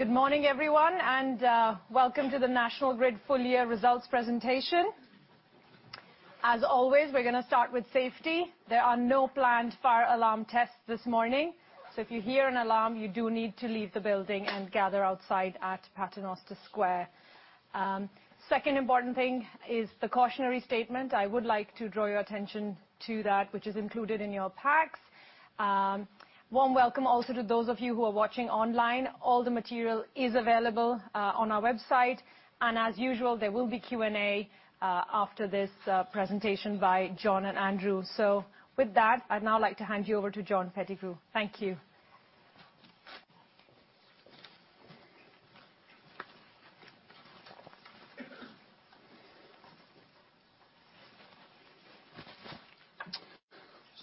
Good morning, everyone, and welcome to the National Grid full-year results presentation. As always, we're going to start with safety. There are no planned fire alarm tests this morning, so if you hear an alarm, you do need to leave the building and gather outside at Paternoster Square. Second important thing is the cautionary statement. I would like to draw your attention to that, which is included in your packs. Warm welcome also to those of you who are watching online. All the material is available on our website, and as usual, there will be Q&A after this presentation by John and Andrew. So with that, I'd now like to hand you over to John Pettigrew. Thank you.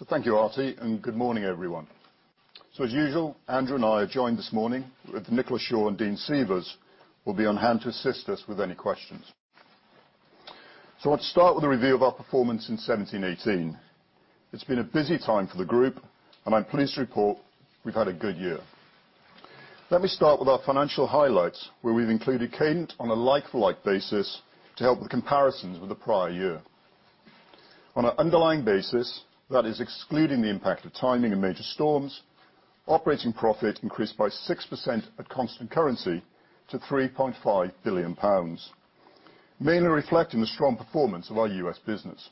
Thank you, Arti, and good morning, everyone. As usual, Andrew and I are joined this morning with Nicola Shaw and Dean Seavers, who will be on hand to assist us with any questions. I want to start with a review of our performance in 2017-2018. It's been a busy time for the group, and I'm pleased to report we've had a good year. Let me start with our financial highlights, where we've included Cadent on a like-for-like basis to help with comparisons with the prior year. On an underlying basis, that is excluding the impact of timing and major storms, operating profit increased by 6% at constant currency to 3.5 billion pounds, mainly reflecting the strong performance of our U.S. business.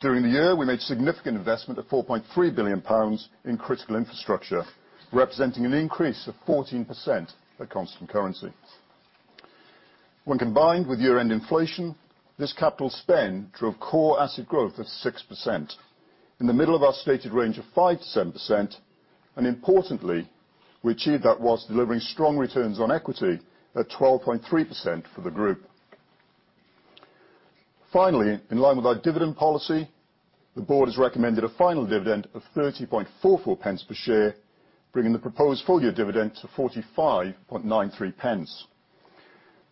During the year, we made significant investment at 4.3 billion pounds in critical infrastructure, representing an increase of 14% at constant currency. When combined with year-end inflation, this capital spend drove core asset growth of 6%, in the middle of our stated range of 5%-7%, and importantly, we achieved that whilst delivering strong returns on equity at 12.3% for the group. Finally, in line with our dividend policy, the board has recommended a final dividend of 30.44 pence per share, bringing the proposed full-year dividend to 45.93 pence.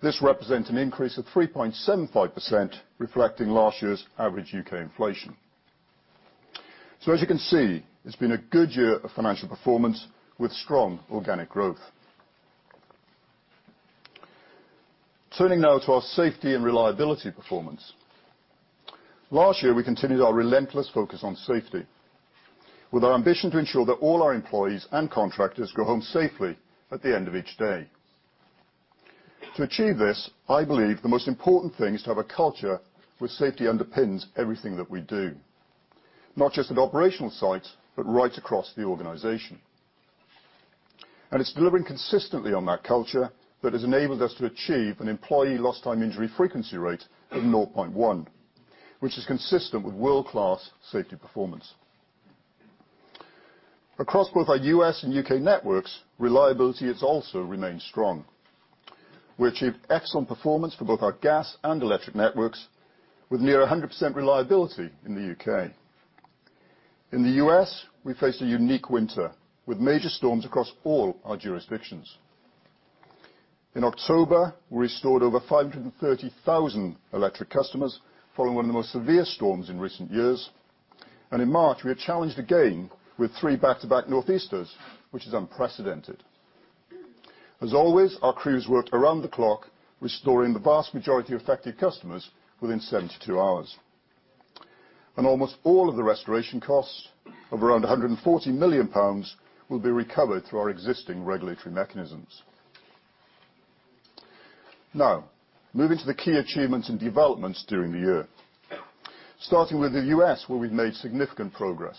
This represents an increase of 3.75%, reflecting last year's average UK inflation. So as you can see, it's been a good year of financial performance with strong organic growth. Turning now to our safety and reliability performance, last year we continued our relentless focus on safety, with our ambition to ensure that all our employees and contractors go home safely at the end of each day. To achieve this, I believe the most important thing is to have a culture where safety underpins everything that we do, not just at operational sites but right across the organization, and it's delivering consistently on that culture that has enabled us to achieve an employee lost time injury frequency rate of 0.1, which is consistent with world-class safety performance. Across both our U.S. and U.K. networks, reliability has also remained strong. We achieved excellent performance for both our gas and electric networks, with near 100% reliability in the U.K. In the U.S., we faced a unique winter with major storms across all our jurisdictions. In October, we restored over 530,000 electric customers following one of the most severe storms in recent years, and in March, we were challenged again with three back-to-back nor'easters, which is unprecedented. As always, our crews worked around the clock, restoring the vast majority of affected customers within 72 hours. Almost all of the restoration costs of around GBP 140 million will be recovered through our existing regulatory mechanisms. Now, moving to the key achievements and developments during the year, starting with the US, where we've made significant progress.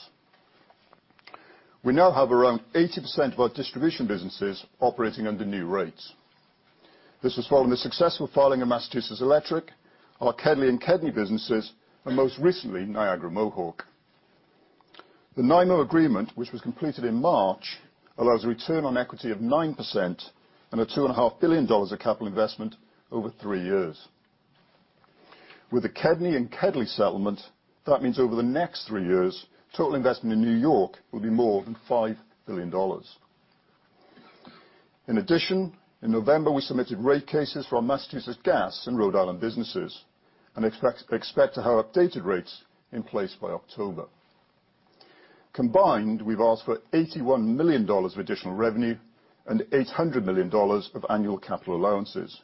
We now have around 80% of our distribution businesses operating under new rates. This was following the successful filing of Massachusetts Electric, our KEDLI and KEDNY businesses, and most recently, Niagara Mohawk. The NiMo agreement, which was completed in March, allows a return on equity of 9% and a $2.5 billion of capital investment over three years. With the KEDLI and KEDNY settlement, that means over the next three years, total investment in New York will be more than $5 billion. In addition, in November, we submitted rate cases for our Massachusetts gas and Rhode Island businesses and expect to have updated rates in place by October. Combined, we've asked for $81 million of additional revenue and $800 million of annual capital allowances,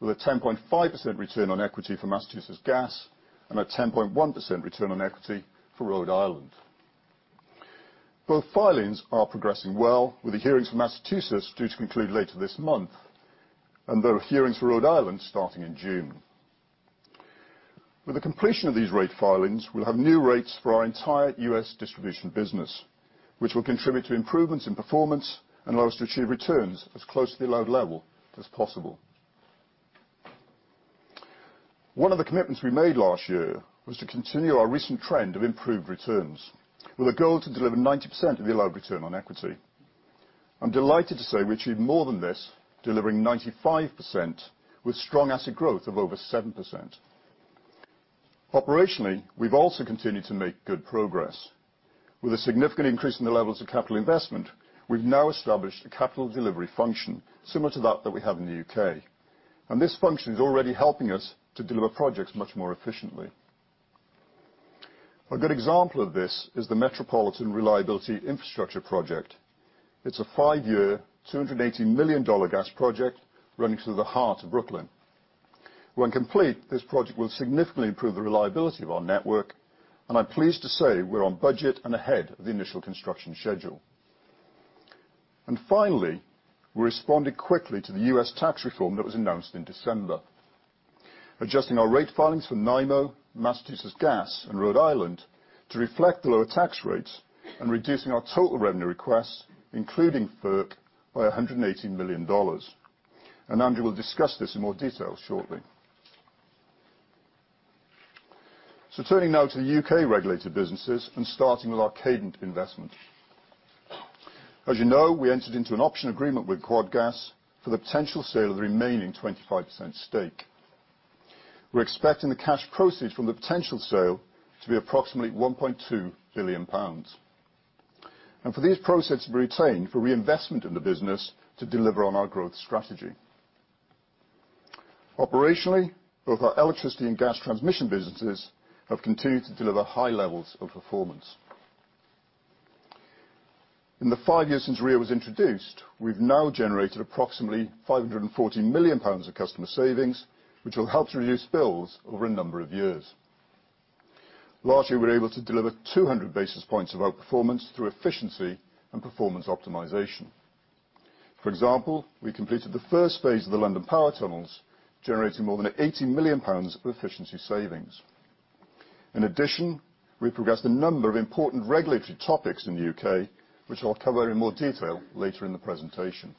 with a 10.5% return on equity for Massachusetts gas and a 10.1% return on equity for Rhode Island. Both filings are progressing well, with the hearings for Massachusetts due to conclude later this month, and there are hearings for Rhode Island starting in June. With the completion of these rate filings, we'll have new rates for our entire U.S. distribution business, which will contribute to improvements in performance and allow us to achieve returns as close to the allowed level as possible. One of the commitments we made last year was to continue our recent trend of improved returns, with a goal to deliver 90% of the allowed return on equity. I'm delighted to say we achieved more than this, delivering 95% with strong asset growth of over 7%. Operationally, we've also continued to make good progress. With a significant increase in the levels of capital investment, we've now established a capital delivery function similar to that we have in the U.K., and this function is already helping us to deliver projects much more efficiently. A good example of this is the Metropolitan Reliability Infrastructure Project. It's a five-year, $280 million gas project running through the heart of Brooklyn. When complete, this project will significantly improve the reliability of our network, and I'm pleased to say we're on budget and ahead of the initial construction schedule. And finally, we responded quickly to the US tax reform that was announced in December, adjusting our rate filings for NiMo, Massachusetts gas, and Rhode Island to reflect the lower tax rates and reducing our total revenue request, including FERC, by $180 million. And Andrew will discuss this in more detail shortly. So turning now to the UK regulated businesses and starting with our Cadent investment. As you know, we entered into an option agreement with Quadgas for the potential sale of the remaining 25% stake. We're expecting the cash proceeds from the potential sale to be approximately 1.2 billion pounds. And for these proceeds to be retained for reinvestment in the business to deliver on our growth strategy. Operationally, both our electricity and gas transmission businesses have continued to deliver high levels of performance. In the five years since RIIO was introduced, we've now generated approximately 540 million pounds of customer savings, which will help to reduce bills over a number of years. Last year, we were able to deliver 200 basis points of our performance through efficiency and performance optimization. For example, we completed the first phase of the London Power Tunnels, generating more than 80 million pounds of efficiency savings. In addition, we progressed a number of important regulatory topics in the UK, which I'll cover in more detail later in the presentation.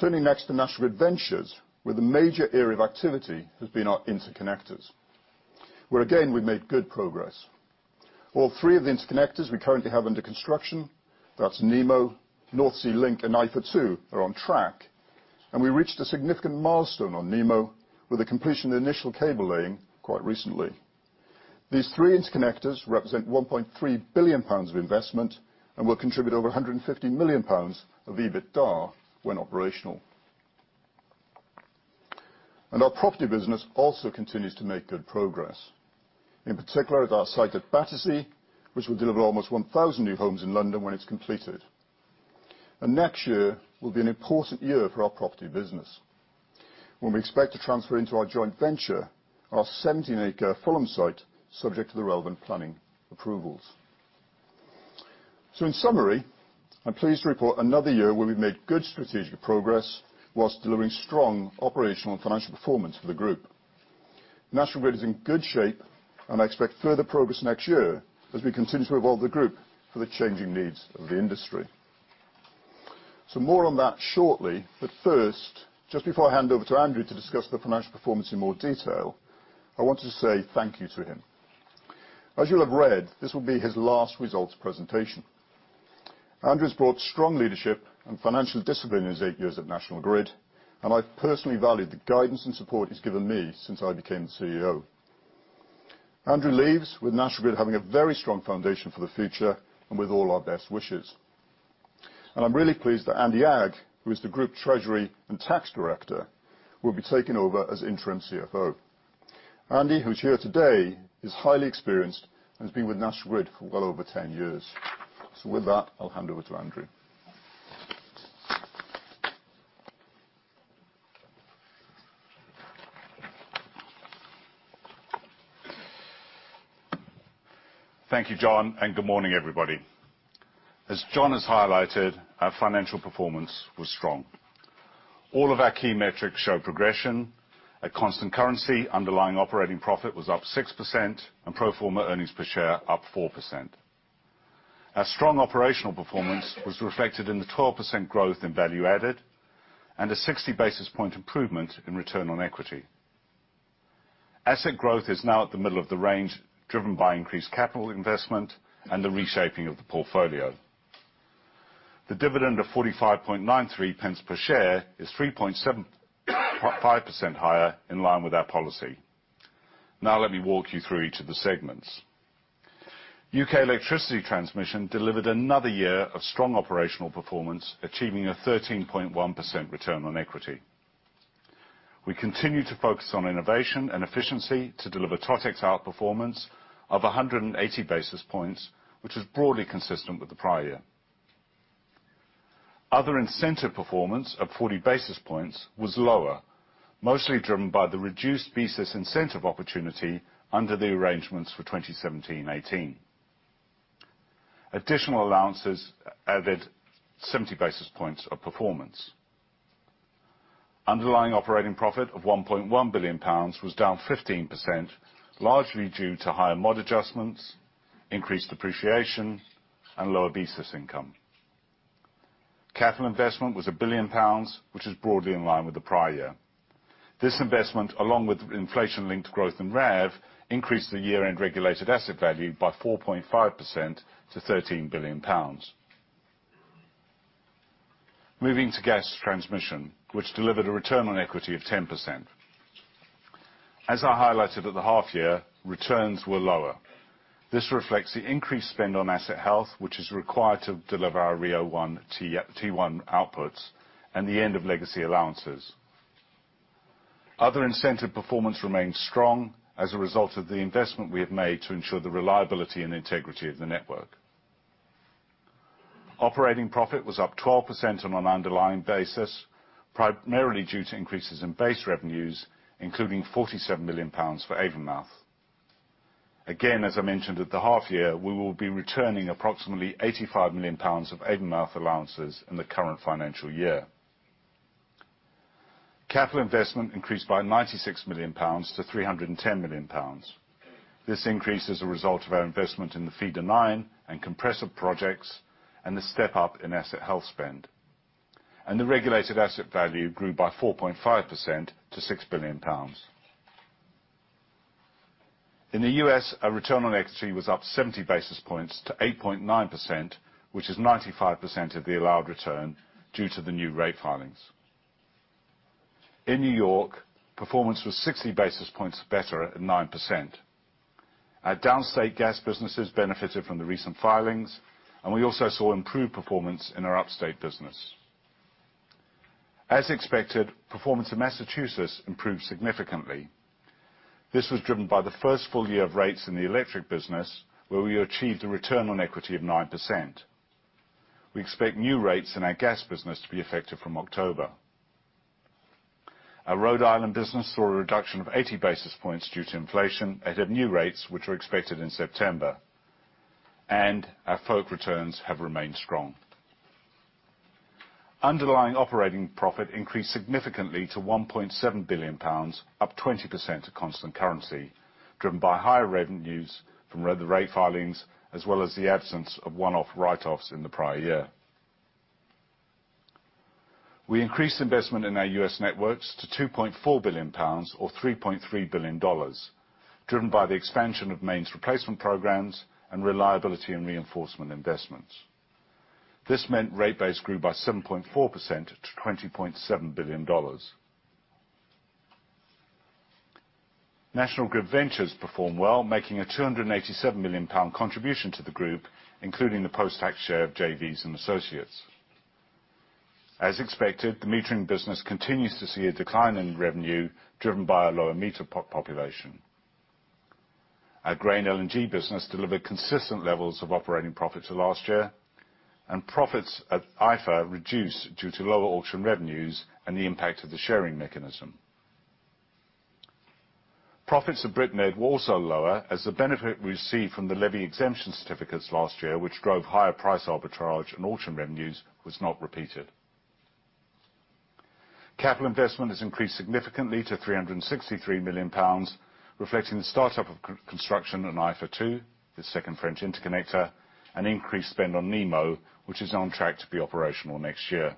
Turning next to National Grid Ventures, where the major area of activity has been our interconnectors, where again we've made good progress. All three of the interconnectors we currently have under construction, that's NiMo, North Sea Link, and IFA2, are on track, and we reached a significant milestone on NiMo with the completion of the initial cable laying quite recently. These three interconnectors represent 1.3 billion pounds of investment and will contribute over 150 million pounds of EBITDA when operational. And our property business also continues to make good progress, in particular at our site at Battersea, which will deliver almost 1,000 new homes in London when it's completed. And next year will be an important year for our property business, when we expect to transfer into our joint venture our 17-acre Fulham site, subject to the relevant planning approvals. So in summary, I'm pleased to report another year where we've made good strategic progress whilst delivering strong operational and financial performance for the group. National Grid is in good shape, and I expect further progress next year as we continue to evolve the group for the changing needs of the industry. So more on that shortly, but first, just before I hand over to Andrew to discuss the financial performance in more detail, I wanted to say thank you to him. As you'll have read, this will be his last results presentation. Andrew has brought strong leadership and financial discipline in his eight years at National Grid, and I've personally valued the guidance and support he's given me since I became the CEO. Andrew leaves with National Grid having a very strong foundation for the future and with all our best wishes. And I'm really pleased that Andy Agg, who is the group treasury and tax director, will be taking over as interim CFO. Andy, who's here today, is highly experienced and has been with National Grid for well over 10 years. So with that, I'll hand over to Andrew. Thank you, John, and good morning, everybody. As John has highlighted, our financial performance was strong. All of our key metrics show progression. At constant currency, underlying operating profit was up 6%, and pro forma earnings per share up 4%. Our strong operational performance was reflected in the 12% growth in Value Added and a 60 basis point improvement in return on equity. Asset growth is now at the middle of the range, driven by increased capital investment and the reshaping of the portfolio. The dividend of 45.93 per share is 3.75% higher, in line with our policy. Now let me walk you through each of the segments. UK electricity transmission delivered another year of strong operational performance, achieving a 13.1% return on equity. We continue to focus on innovation and efficiency to deliver Totex outperformance of 180 basis points, which is broadly consistent with the prior year. Other incentive performance of 40 basis points was lower, mostly driven by the reduced BSIS incentive opportunity under the arrangements for 2017-2018. Additional allowances added 70 basis points of performance. Underlying operating profit of 1.1 billion pounds was down 15%, largely due to higher MOD adjustments, increased depreciation, and lower BSIS income. Capital investment was 1 billion pounds, which is broadly in line with the prior year. This investment, along with inflation-linked growth in RAV, increased the year-end regulated asset value by 4.5% to 13 billion pounds. Moving to gas transmission, which delivered a return on equity of 10%. As I highlighted at the half-year, returns were lower. This reflects the increased spend on asset health, which is required to deliver our RIIO-T1 outputs and the end of legacy allowances. Other incentive performance remained strong as a result of the investment we have made to ensure the reliability and integrity of the network. Operating profit was up 12% on an underlying basis, primarily due to increases in base revenues, including 47 million pounds for Avonmouth. Again, as I mentioned at the half-year, we will be returning approximately 85 million pounds of Avonmouth allowances in the current financial year. Capital investment increased by 96 million pounds to 310 million pounds. This increase is a result of our investment in the Feeder 9 and compressor projects and the step-up in asset health spend. The regulated asset value grew by 4.5% to 6 billion pounds. In the U.S., our return on equity was up 70 basis points to 8.9%, which is 95% of the allowed return due to the new rate filings. In New York, performance was 60 basis points better at 9%. Our downstate gas businesses benefited from the recent filings, and we also saw improved performance in our upstate business. As expected, performance in Massachusetts improved significantly. This was driven by the first full year of rates in the electric business, where we achieved a return on equity of 9%. We expect new rates in our gas business to be effective from October. Our Rhode Island business saw a reduction of 80 basis points due to inflation and had new rates, which are expected in September. Our FERC returns have remained strong. Underlying operating profit increased significantly to 1.7 billion pounds, up 20% to constant currency, driven by higher revenues from the rate filings as well as the absence of one-off write-offs in the prior year. We increased investment in our US networks to 2.4 billion pounds, or $3.3 billion, driven by the expansion of mains replacement programs and reliability and reinforcement investments. This meant Rate Base grew by 7.4% to $20.7 billion. National Grid Ventures performed well, making a 287 million pound contribution to the group, including the post-tax share of JVs and associates. As expected, the metering business continues to see a decline in revenue, driven by a lower meter population. Our Grain LNG business delivered consistent levels of operating profit to last year, and profits at IFA reduced due to lower auction revenues and the impact of the sharing mechanism. Profits at BritNed were also lower, as the benefit we received from the levy exemption certificates last year, which drove higher price arbitrage and auction revenues, was not repeated. Capital investment has increased significantly to 363 million pounds, reflecting the start-up of construction on IFA2, the second French interconnector, and increased spend on NiMo, which is on track to be operational next year.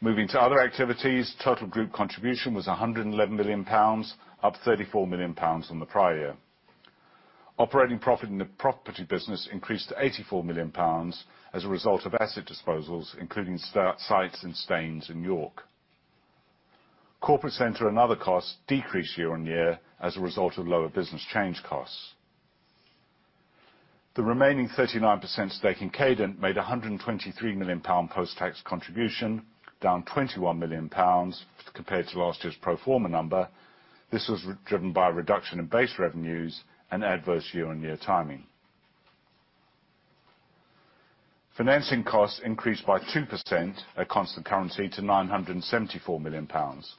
Moving to other activities, total group contribution was 111 million pounds, up 34 million pounds from the prior year. Operating profit in the property business increased to 84 million pounds as a result of asset disposals, including sites in Staines and York. Corporate centre and other costs decreased year-on-year as a result of lower business change costs. The remaining 39% stake in Cadent made a 123 million pound post-tax contribution, down 21 million pounds compared to last year's pro forma number. This was driven by a reduction in base revenues and adverse year-on-year timing. Financing costs increased by 2% at constant currency to 974 million pounds.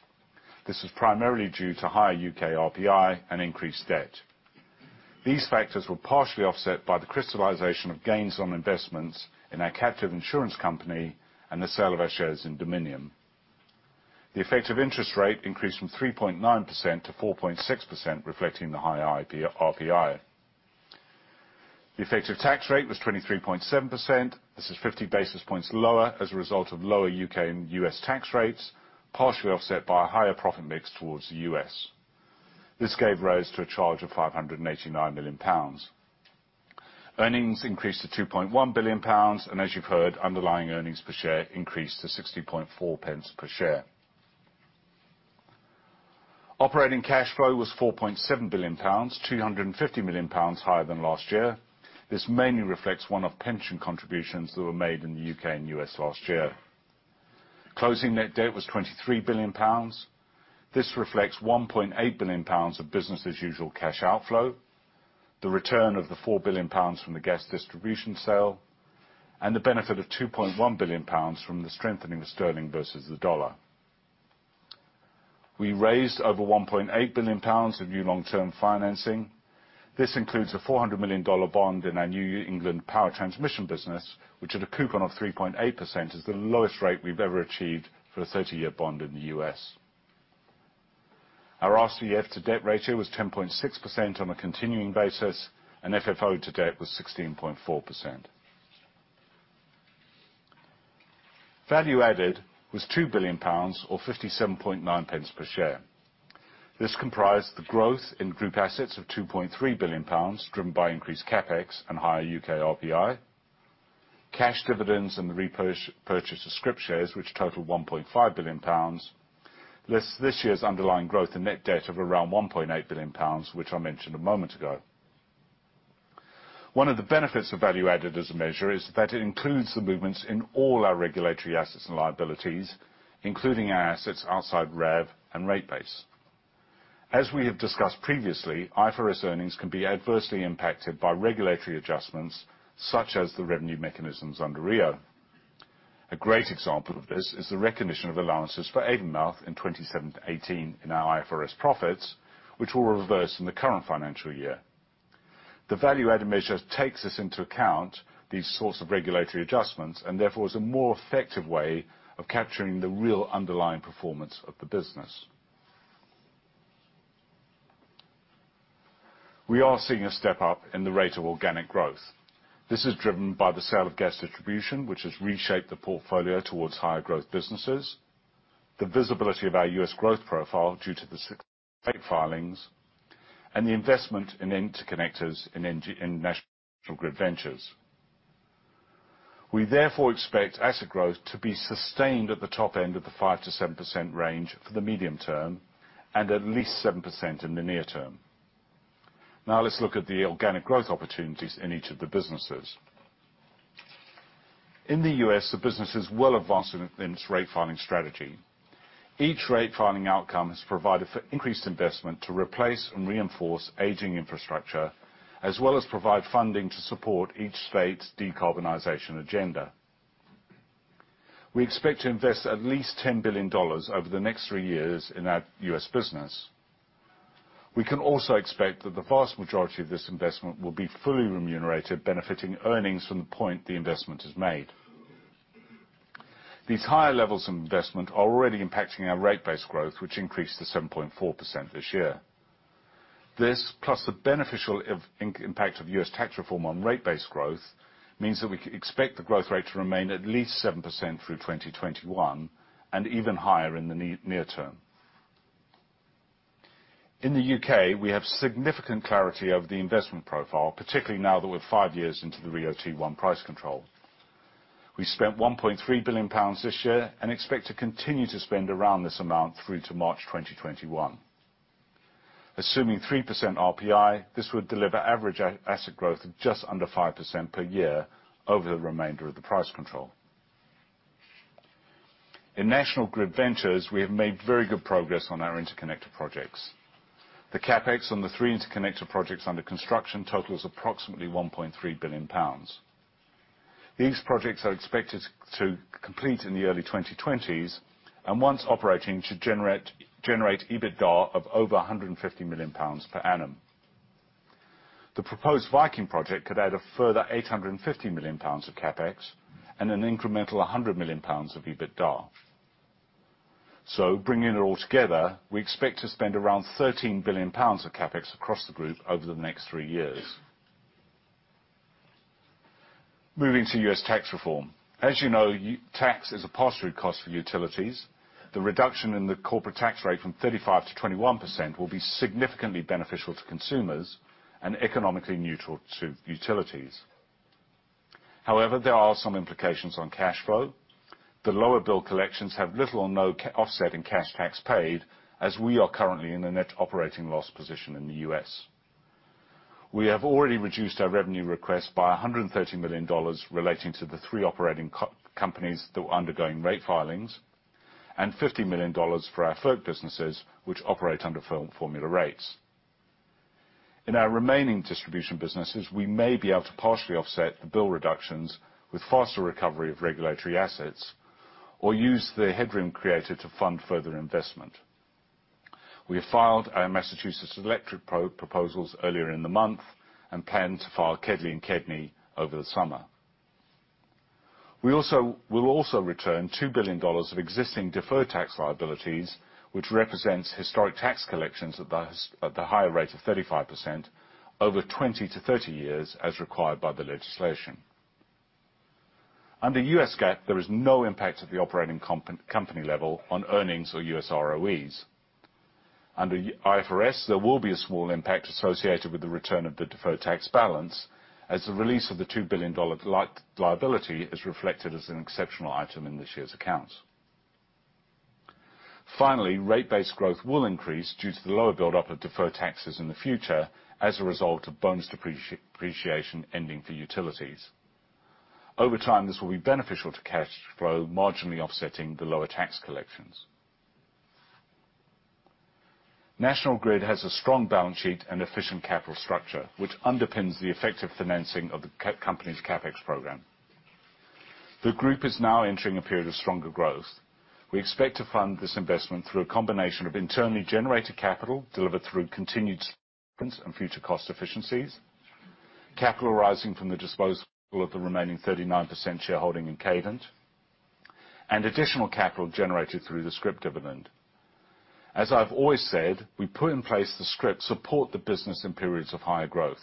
This was primarily due to higher UK RPI and increased debt. These factors were partially offset by the crystallisation of gains on investments in our captive insurance company and the sale of our shares in Dominion. The effective interest rate increased from 3.9%-4.6%, reflecting the higher RPI. The effective tax rate was 23.7%. This is 50 basis points lower as a result of lower U.K. and U.S. tax rates, partially offset by a higher profit mix towards the U.S. This gave rise to a charge of 589 million pounds. Earnings increased to 2.1 billion pounds, and as you've heard, underlying earnings per share increased to 60.4 pence per share. Operating cash flow was 4.7 billion pounds, 250 million pounds higher than last year. This mainly reflects one-off pension contributions that were made in the U.K. and U.S. last year. Closing net debt was 23 billion pounds. This reflects 1.8 billion pounds of business-as-usual cash outflow, the return of the 4 billion pounds from the gas distribution sale, and the benefit of 2.1 billion pounds from the strengthening of sterling versus the dollar. We raised over 1.8 billion pounds of new long-term financing. This includes a $400 million bond in our New England power transmission business, which had a coupon of 3.8%, as the lowest rate we've ever achieved for a 30-year bond in the U.S. Our RCF to debt ratio was 10.6% on a continuing basis, and FFO to debt was 16.4%. Value Added was 2 billion pounds, or 57.9 pence per share. This comprised the growth in group assets of 2.3 billion pounds, driven by increased CapEx and higher UK RPI, cash dividends, and the repurchase of scrip shares, which totaled 1.5 billion pounds. This year's underlying growth in net debt of around 1.8 billion pounds, which I mentioned a moment ago. One of the benefits of Value Added as a measure is that it includes the movements in all our regulatory assets and liabilities, including our assets outside RAV and rate base. As we have discussed previously, IFRS earnings can be adversely impacted by regulatory adjustments, such as the revenue mechanisms under RIIO. A great example of this is the recognition of allowances for Avonmouth in 2017-2018 in our IFRS profits, which will reverse in the current financial year. The Value Added measure takes this into account, these sorts of regulatory adjustments, and therefore is a more effective way of capturing the real underlying performance of the business. We are seeing a step-up in the rate of organic growth. This is driven by the sale of gas distribution, which has reshaped the portfolio towards higher growth businesses, the visibility of our US growth profile due to the state filings, and the investment in interconnectors in National Grid Ventures. We therefore expect asset growth to be sustained at the top end of the 5%-7% range for the medium term and at least 7% in the near term. Now let's look at the organic growth opportunities in each of the businesses. In the US, the business is well advanced in its rate filing strategy. Each rate filing outcome has provided for increased investment to replace and reinforce aging infrastructure, as well as provide funding to support each state's decarbonization agenda. We expect to invest at least $10 billion over the next three years in our US business. We can also expect that the vast majority of this investment will be fully remunerated, benefiting earnings from the point the investment is made. These higher levels of investment are already impacting our rate base growth, which increased to 7.4% this year. This, plus the beneficial impact of US tax reform on rate base growth, means that we can expect the growth rate to remain at least 7% through 2021 and even higher in the near term. In the UK, we have significant clarity over the investment profile, particularly now that we're five years into the RIIO-T1 price control. We spent 1.3 billion pounds this year and expect to continue to spend around this amount through to March 2021. Assuming 3% RPI, this would deliver average asset growth of just under 5% per year over the remainder of the price control. In National Grid Ventures, we have made very good progress on our interconnector projects. The CapEx on the three interconnector projects under construction totals approximately 1.3 billion pounds. These projects are expected to complete in the early 2020s and, once operating, to generate EBITDA of over 150 million pounds per annum. The proposed Viking project could add a further 850 million pounds of CapEx and an incremental 100 million pounds of EBITDA. So, bringing it all together, we expect to spend around 13 billion pounds of CapEx across the group over the next three years. Moving to U.S. tax reform. As you know, tax is a pass-through cost for utilities. The reduction in the corporate tax rate from 35% to 21% will be significantly beneficial to consumers and economically neutral to utilities. However, there are some implications on cash flow. The lower bill collections have little or no offset in cash tax paid, as we are currently in a net operating loss position in the U.S. We have already reduced our revenue request by $130 million relating to the three operating companies that were undergoing rate filings and $50 million for our FERC businesses, which operate under formula rates. In our remaining distribution businesses, we may be able to partially offset the bill reductions with faster recovery of regulatory assets or use the headroom created to fund further investment. We have filed our Massachusetts Electric proposals earlier in the month and plan to file KEDLI and KEDNY over the summer. We will also return $2 billion of existing deferred tax liabilities, which represents historic tax collections at the higher rate of 35% over 20 years-30 years, as required by the legislation. Under US GAAP, there is no impact at the operating company level on earnings or US ROEs. Under IFRS, there will be a small impact associated with the return of the deferred tax balance, as the release of the $2 billion liability is reflected as an exceptional item in this year's accounts. Finally, rate base growth will increase due to the lower build-up of deferred taxes in the future as a result of bonus depreciation ending for utilities. Over time, this will be beneficial to cash flow, marginally offsetting the lower tax collections. National Grid has a strong balance sheet and efficient capital structure, which underpins the effective financing of the company's CapEx program. The group is now entering a period of stronger growth. We expect to fund this investment through a combination of internally generated capital delivered through continued spend and future cost efficiencies, capital arising from the disposal of the remaining 39% shareholding in Cadent, and additional capital generated through the scrip dividend. As I've always said, we put in place the scrip support the business in periods of higher growth.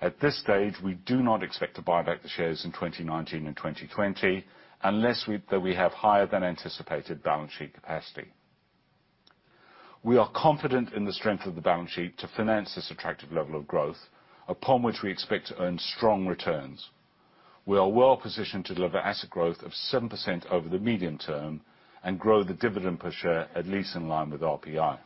At this stage, we do not expect to buy back the shares in 2019 and 2020 unless we have higher than anticipated balance sheet capacity. We are confident in the strength of the balance sheet to finance this attractive level of growth, upon which we expect to earn strong returns. We are well positioned to deliver asset growth of 7% over the medium term and grow the dividend per share at least in line with RPI.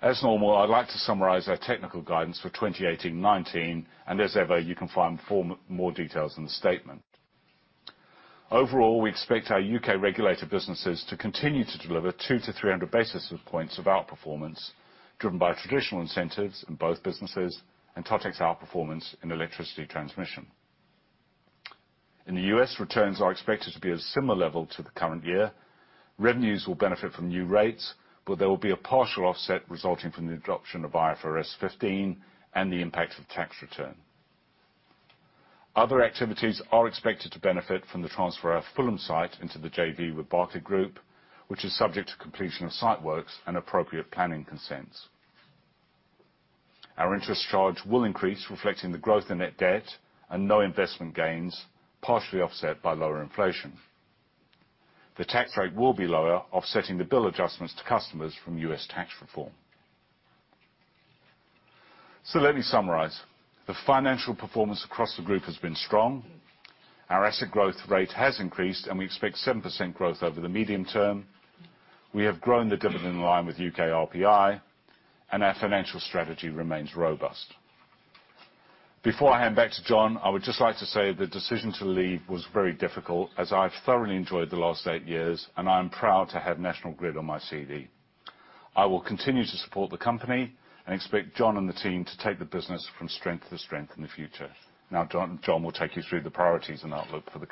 As normal, I'd like to summarize our technical guidance for 2018-2019, and as ever, you can find more details in the statement. Overall, we expect our UK regulated businesses to continue to deliver 200-300 basis points of outperformance, driven by traditional incentives in both businesses and Totex outperformance in electricity transmission. In the US, returns are expected to be at a similar level to the current year. Revenues will benefit from new rates, but there will be a partial offset resulting from the adoption of IFRS 15 and the impact of tax return. Other activities are expected to benefit from the transfer of Fulham site into the JV with Berkeley Group, which is subject to completion of site works and appropriate planning consents. Our interest charge will increase, reflecting the growth in net debt and no investment gains, partially offset by lower inflation. The tax rate will be lower, offsetting the bill adjustments to customers from US tax reform. So let me summarize. The financial performance across the group has been strong. Our asset growth rate has increased, and we expect 7% growth over the medium term. We have grown the dividend line with UK RPI, and our financial strategy remains robust. Before I hand back to John, I would just like to say the decision to leave was very difficult, as I've thoroughly enjoyed the last eight years, and I am proud to have National Grid on my CV. I will continue to support the company and expect John and the team to take the business from strength to strength in the future. Now, John will take you through the priorities and outlook for the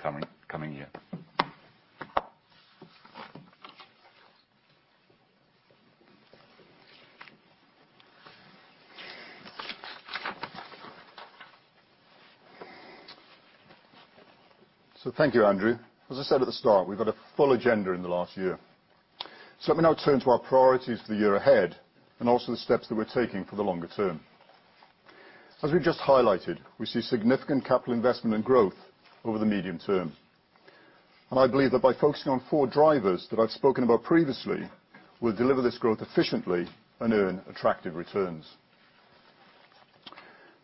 coming year. So thank you, Andrew. As I said at the start, we've had a full agenda in the last year. So let me now turn to our priorities for the year ahead and also the steps that we're taking for the longer term. As we've just highlighted, we see significant capital investment and growth over the medium term. And I believe that by focusing on four drivers that I've spoken about previously, we'll deliver this growth efficiently and earn attractive returns.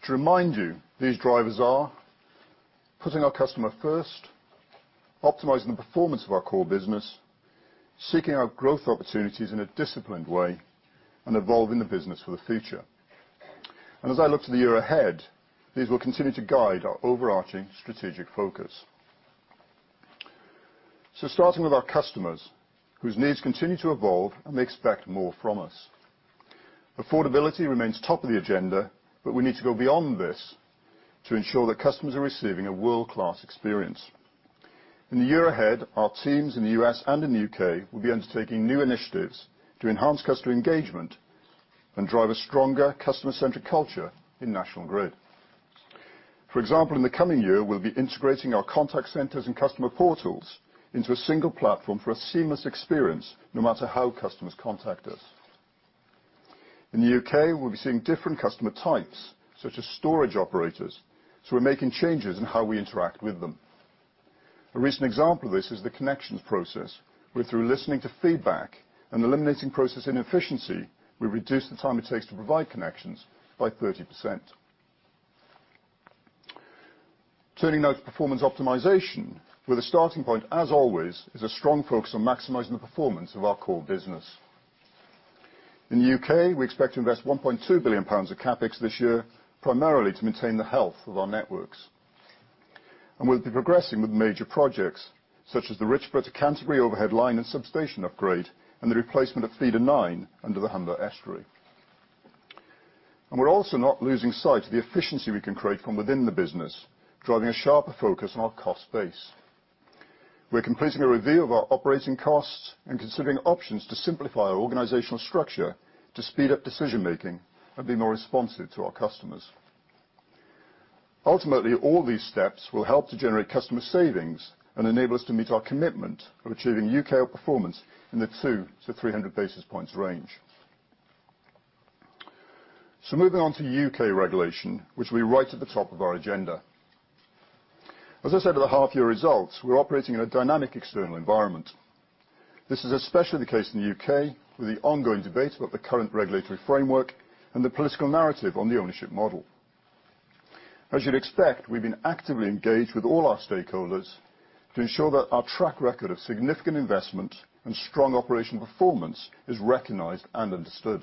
To remind you, these drivers are putting our customer first, optimizing the performance of our core business, seeking out growth opportunities in a disciplined way, and evolving the business for the future. And as I look to the year ahead, these will continue to guide our overarching strategic focus. So starting with our customers, whose needs continue to evolve and they expect more from us. Affordability remains top of the agenda, but we need to go beyond this to ensure that customers are receiving a world-class experience. In the year ahead, our teams in the U.S. and in the U.K. will be undertaking new initiatives to enhance customer engagement and drive a stronger customer-centric culture in National Grid. For example, in the coming year, we'll be integrating our contact centers and customer portals into a single platform for a seamless experience, no matter how customers contact us. In the UK, we'll be seeing different customer types, such as storage operators, so we're making changes in how we interact with them. A recent example of this is the connections process, where through listening to feedback and eliminating process inefficiency, we reduce the time it takes to provide connections by 30%. Turning now to performance optimization, where the starting point, as always, is a strong focus on maximizing the performance of our core business. In the UK, we expect to invest 1.2 billion pounds of CapEx this year, primarily to maintain the health of our networks. We'll be progressing with major projects, such as the Richborough to Canterbury overhead line and substation upgrade, and the replacement of Feeder 9 under the Humber Estuary. We're also not losing sight of the efficiency we can create from within the business, driving a sharper focus on our cost base. We're completing a review of our operating costs and considering options to simplify our organizational structure to speed up decision-making and be more responsive to our customers. Ultimately, all these steps will help to generate customer savings and enable us to meet our commitment of achieving UK performance in the 200-300 basis points range, so moving on to UK regulation, which we rate at the top of our agenda. As I said at the half-year results, we're operating in a dynamic external environment. This is especially the case in the UK, with the ongoing debate about the current regulatory framework and the political narrative on the ownership model. As you'd expect, we've been actively engaged with all our stakeholders to ensure that our track record of significant investment and strong operational performance is recognized and understood.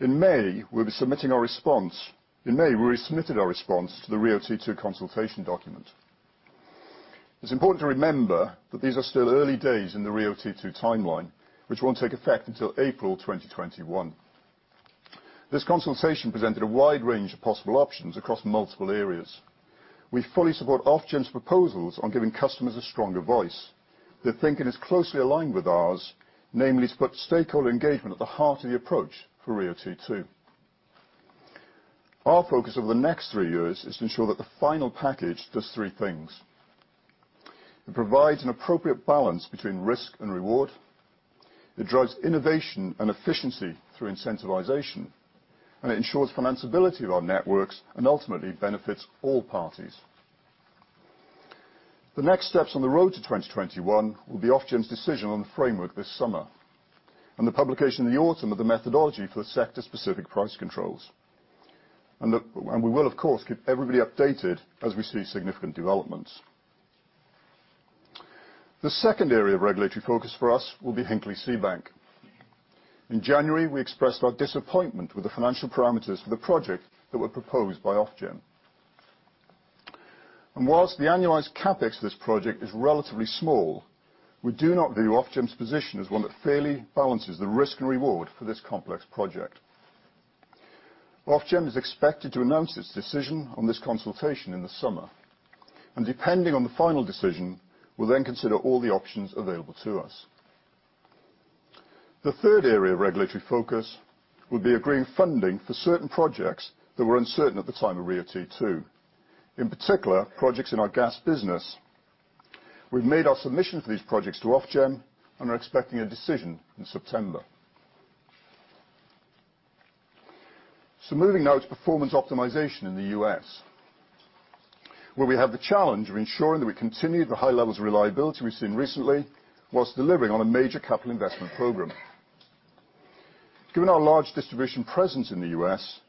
In May, we'll be submitting our response. In May, we resubmitted our response to the RIIO-T2 consultation document. It's important to remember that these are still early days in the RIIO-T2 timeline, which won't take effect until April 2021. This consultation presented a wide range of possible options across multiple areas. We fully support Ofgem's proposals on giving customers a stronger voice. Their thinking is closely aligned with ours, namely to put stakeholder engagement at the heart of the approach for RIIO-T2. Our focus over the next three years is to ensure that the final package does three things. It provides an appropriate balance between risk and reward. It drives innovation and efficiency through incentivization, and it ensures financiability of our networks and ultimately benefits all parties. The next steps on the road to 2021 will be Ofgem's decision on the framework this summer and the publication in the autumn of the methodology for sector-specific price controls. We will, of course, keep everybody updated as we see significant developments. The second area of regulatory focus for us will be Hinkley-Seabank. In January, we expressed our disappointment with the financial parameters for the project that were proposed by Ofgem. While the annualized CapEx for this project is relatively small, we do not view Ofgem's position as one that fairly balances the risk and reward for this complex project. Ofgem is expected to announce its decision on this consultation in the summer, and depending on the final decision, we'll then consider all the options available to us. The third area of regulatory focus will be agreeing funding for certain projects that were uncertain at the time of RIIO-T2, in particular projects in our gas business. We've made our submission for these projects to Ofgem and are expecting a decision in September. So moving now to performance optimization in the U.S., where we have the challenge of ensuring that we continue the high levels of reliability we've seen recently while delivering on a major capital investment program. Given our large distribution presence in the U.S.,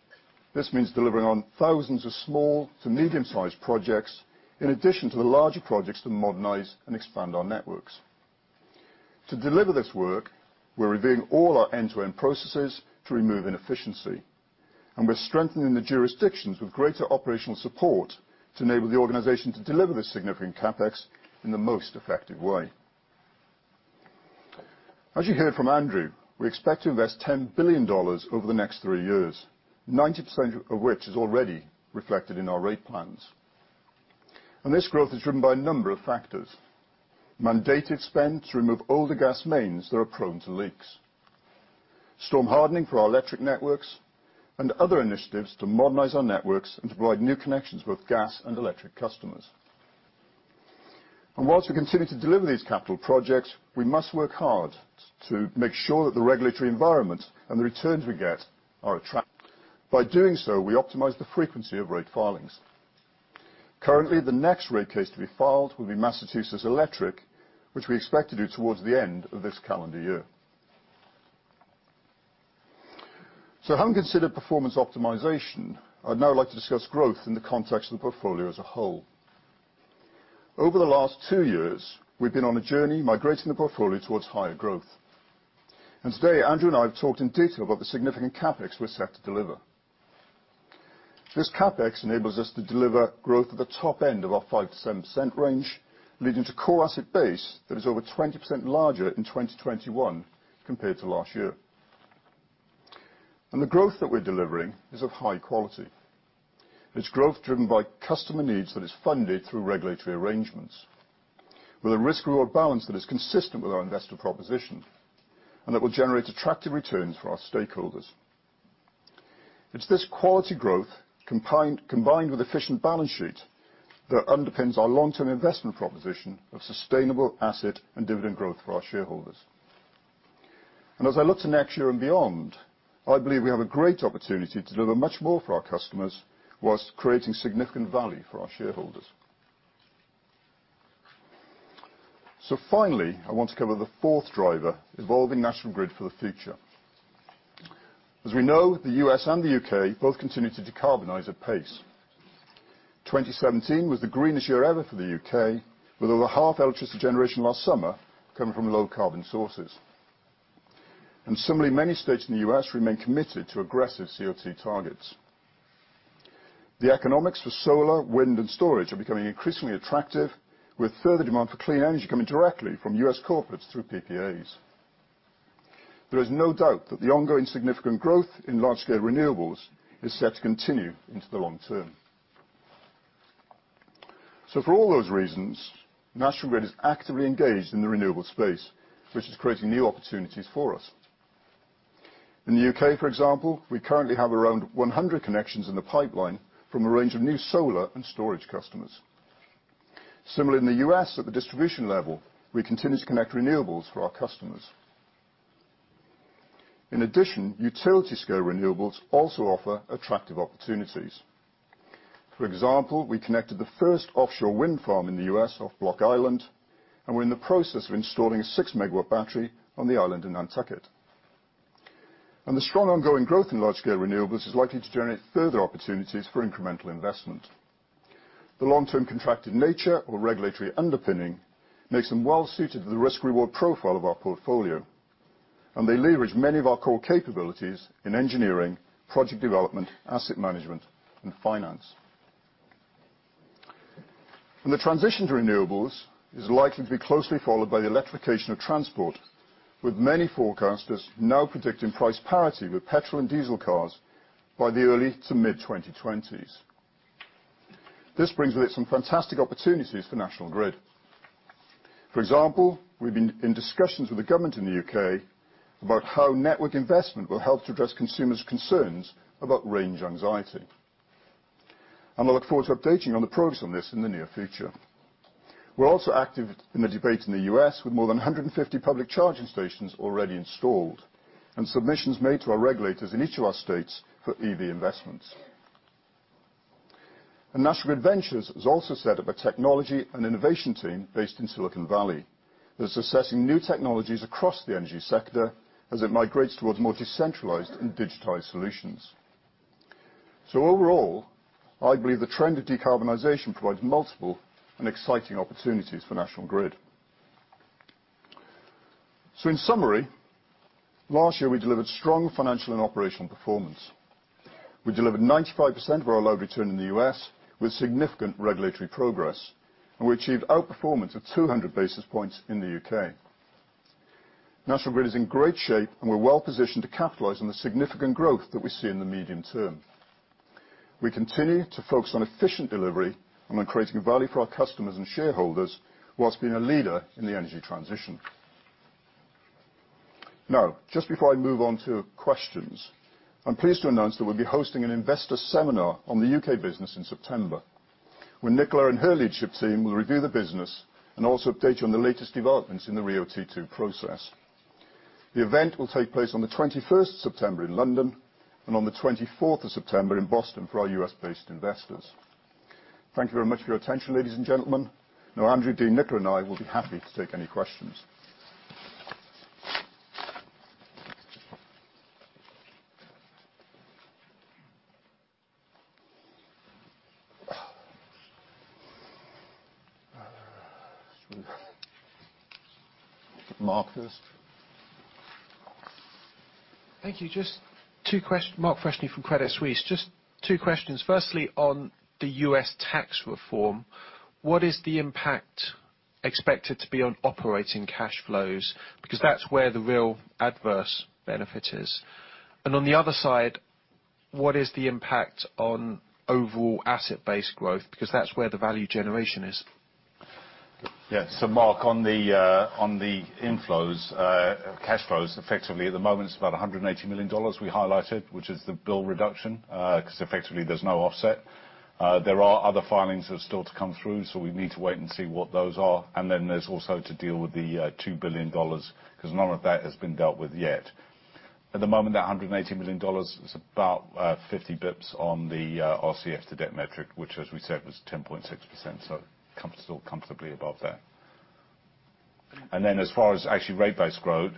this means delivering on thousands of small to medium-sized projects in addition to the larger projects to modernize and expand our networks. To deliver this work, we're reviewing all our end-to-end processes to remove inefficiency, and we're strengthening the jurisdictions with greater operational support to enable the organization to deliver this significant CapEx in the most effective way. As you heard from Andrew, we expect to invest $10 billion over the next three years, 90% of which is already reflected in our rate plans. This growth is driven by a number of factors: mandated spend to remove older gas mains that are prone to leaks, storm hardening for our electric networks, and other initiatives to modernize our networks and to provide new connections for both gas and electric customers. While we continue to deliver these capital projects, we must work hard to make sure that the regulatory environment and the returns we get are attractive. By doing so, we optimize the frequency of rate filings. Currently, the next rate case to be filed will be Massachusetts Electric, which we expect to do toward the end of this calendar year. Having considered performance optimization, I'd now like to discuss growth in the context of the portfolio as a whole. Over the last two years, we've been on a journey migrating the portfolio toward higher growth. Today, Andrew and I have talked in detail about the significant CapEx we're set to deliver. This CapEx enables us to deliver growth at the top end of our 5%-7% range, leading to core asset base that is over 20% larger in 2021 compared to last year. The growth that we're delivering is of high quality. It's growth driven by customer needs that is funded through regulatory arrangements, with a risk-reward balance that is consistent with our investor proposition and that will generate attractive returns for our stakeholders. It's this quality growth, combined with efficient balance sheet, that underpins our long-term investment proposition of sustainable asset and dividend growth for our shareholders. As I look to next year and beyond, I believe we have a great opportunity to deliver much more for our customers whilst creating significant value for our shareholders. So finally, I want to cover the fourth driver: evolving National Grid for the future. As we know, the U.S. and the U.K. both continue to decarbonize at pace. 2017 was the greenest year ever for the U.K., with over half electricity generation last summer coming from low-carbon sources. And similarly, many states in the U.S. remain committed to aggressive CO2 targets. The economics for solar, wind, and storage are becoming increasingly attractive, with further demand for clean energy coming directly from U.S. corporates through PPAs. There is no doubt that the ongoing significant growth in large-scale renewables is set to continue into the long term. So for all those reasons, National Grid is actively engaged in the renewable space, which is creating new opportunities for us. In the U.K., for example, we currently have around 100 connections in the pipeline from a range of new solar and storage customers. Similarly, in the U.S., at the distribution level, we continue to connect renewables for our customers. In addition, utility-scale renewables also offer attractive opportunities. For example, we connected the first offshore wind farm in the U.S. off Block Island, and we're in the process of installing a 6 MW battery on the island in Nantucket. And the strong ongoing growth in large-scale renewables is likely to generate further opportunities for incremental investment. The long-term contracted nature or regulatory underpinning makes them well-suited to the risk-reward profile of our portfolio, and they leverage many of our core capabilities in engineering, project development, asset management, and finance. And the transition to renewables is likely to be closely followed by the electrification of transport, with many forecasters now predicting price parity with petrol and diesel cars by the early to mid-2020s. This brings with it some fantastic opportunities for National Grid. For example, we've been in discussions with the government in the U.K. about how network investment will help to address consumers' concerns about range anxiety. And I look forward to updating you on the progress on this in the near future. We're also active in the debate in the U.S., with more than 150 public charging stations already installed and submissions made to our regulators in each of our states for EV investments. And National Grid Ventures has also set up a technology and innovation team based in Silicon Valley that's assessing new technologies across the energy sector as it migrates towards more decentralized and digitized solutions. So overall, I believe the trend of decarbonization provides multiple and exciting opportunities for National Grid. So in summary, last year we delivered strong financial and operational performance. We delivered 95% of our load return in the U.S. with significant regulatory progress, and we achieved outperformance of 200 basis points in the U.K. National Grid is in great shape, and we're well-positioned to capitalize on the significant growth that we see in the medium term. We continue to focus on efficient delivery and on creating value for our customers and shareholders while being a leader in the energy transition. Now, just before I move on to questions, I'm pleased to announce that we'll be hosting an investor seminar on the U.K. business in September, where Nicola and her leadership team will review the business and also update you on the latest developments in the RIIO-T2 process. The event will take place on the 21st of September in London and on the 24th of September in Boston for our U.S.-based investors. Thank you very much for your attention, ladies and gentlemen. Now, Andrew, Dean, Nicola and I will be happy to take any questions. Mark Freshney. Thank you. Just two questions. Mark Freshney, from Credit Suisse. Just two questions. Firstly, on the US tax reform, what is the impact expected to be on operating cash flows? Because that's where the real adverse benefit is. And on the other side, what is the impact on overall asset-based growth? Because that's where the value generation is. Yeah. So Mark, on the inflows, cash flows, effectively at the moment it's about $180 million we highlighted, which is the bill reduction, because effectively there's no offset. There are other filings that are still to come through, so we need to wait and see what those are. And then there's also to deal with the $2 billion, because none of that has been dealt with yet. At the moment, that $180 million is about 50 basis points on the RCF to debt metric, which, as we said, was 10.6%, so still comfortably above that. And then as far as actually rate-based growth,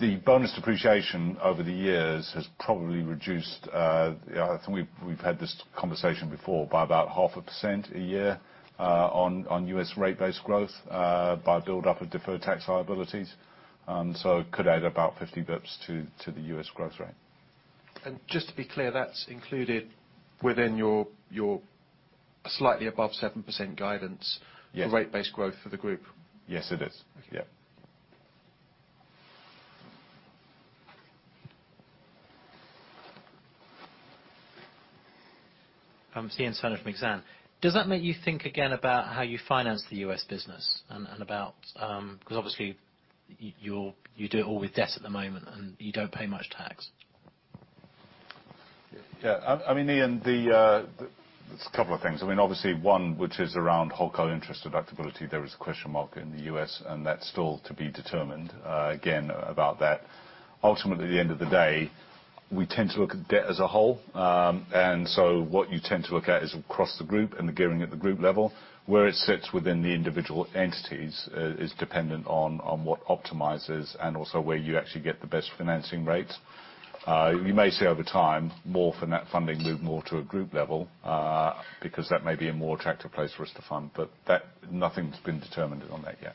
the bonus depreciation over the years has probably reduced. I think we've had this conversation before. By about 0.5% a year on US rate-based growth by build-up of deferred tax liabilities. So it could add about 50 basis points to the US growth rate. And just to be clear, that's included within your slightly above 7% guidance for rate-based growth for the group? Yes, it is. Yeah. I'm seeing a sign from Exane. Does that make you think again about how you finance the US business and about, because obviously you do it all with debt at the moment and you don't pay much tax? Yeah. I mean, there, there's a couple of things. I mean, obviously one, which is around HoldCo interest deductibility, there is a question mark in the US, and that's still to be determined. Again, about that, ultimately at the end of the day, we tend to look at debt as a whole. And so what you tend to look at is across the group and the gearing at the group level. Where it sits within the individual entities is dependent on what optimises and also where you actually get the best financing rates. You may see over time more funding move more to a group level because that may be a more attractive place for us to fund, but nothing's been determined on that yet.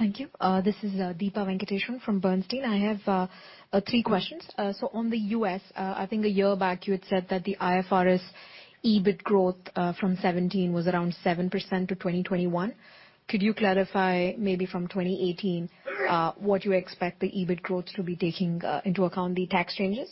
Thank you. This is Deepa Venkateswaran from Bernstein. I have three questions. So on the U.S., I think a year back you had said that the IFRS EBIT growth from 2017 was around 7% to 2021. Could you clarify maybe from 2018 what you expect the EBIT growth to be taking into account the tax changes?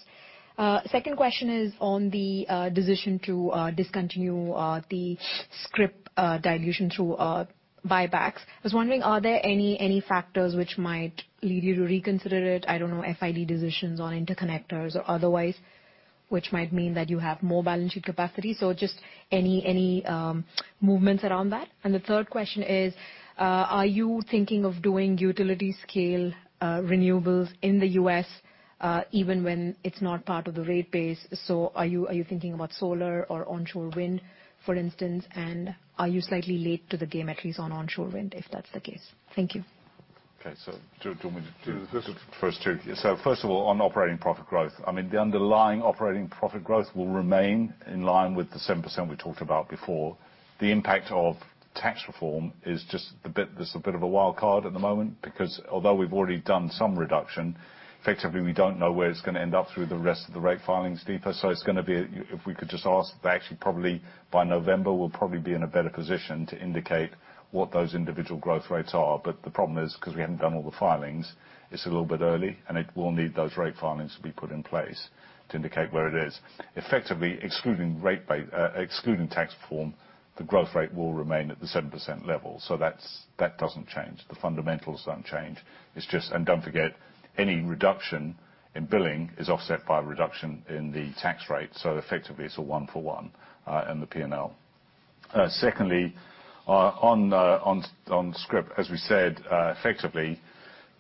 Second question is on the decision to discontinue the scrip dilution through buybacks. I was wondering, are there any factors which might lead you to reconsider it? I don't know, FID decisions on interconnectors or otherwise, which might mean that you have more balance sheet capacity? So just any movements around that. And the third question is, are you thinking of doing utility-scale renewables in the U.S. even when it's not part of the rate base? So are you thinking about solar or onshore wind, for instance? And are you slightly late to the game, at least on onshore wind, if that's the case? Thank you. Okay. So first two. So first of all, on operating profit growth, I mean, the underlying operating profit growth will remain in line with the 7% we talked about before. The impact of tax reform is just a bit of a wild card at the moment because although we've already done some reduction, effectively we don't know where it's going to end up through the rest of the rate filings, Deepa. So it's going to be—if we could just ask—actually probably by November we'll probably be in a better position to indicate what those individual growth rates are. But the problem is, because we haven't done all the filings, it's a little bit early, and it will need those rate filings to be put in place to indicate where it is. Effectively, excluding tax reform, the growth rate will remain at the 7% level. So that doesn't change. The fundamentals don't change, and don't forget, any reduction in billing is offset by a reduction in the tax rate, so effectively it's a one-for-one in the P&L. Secondly, on scrip, as we said, effectively,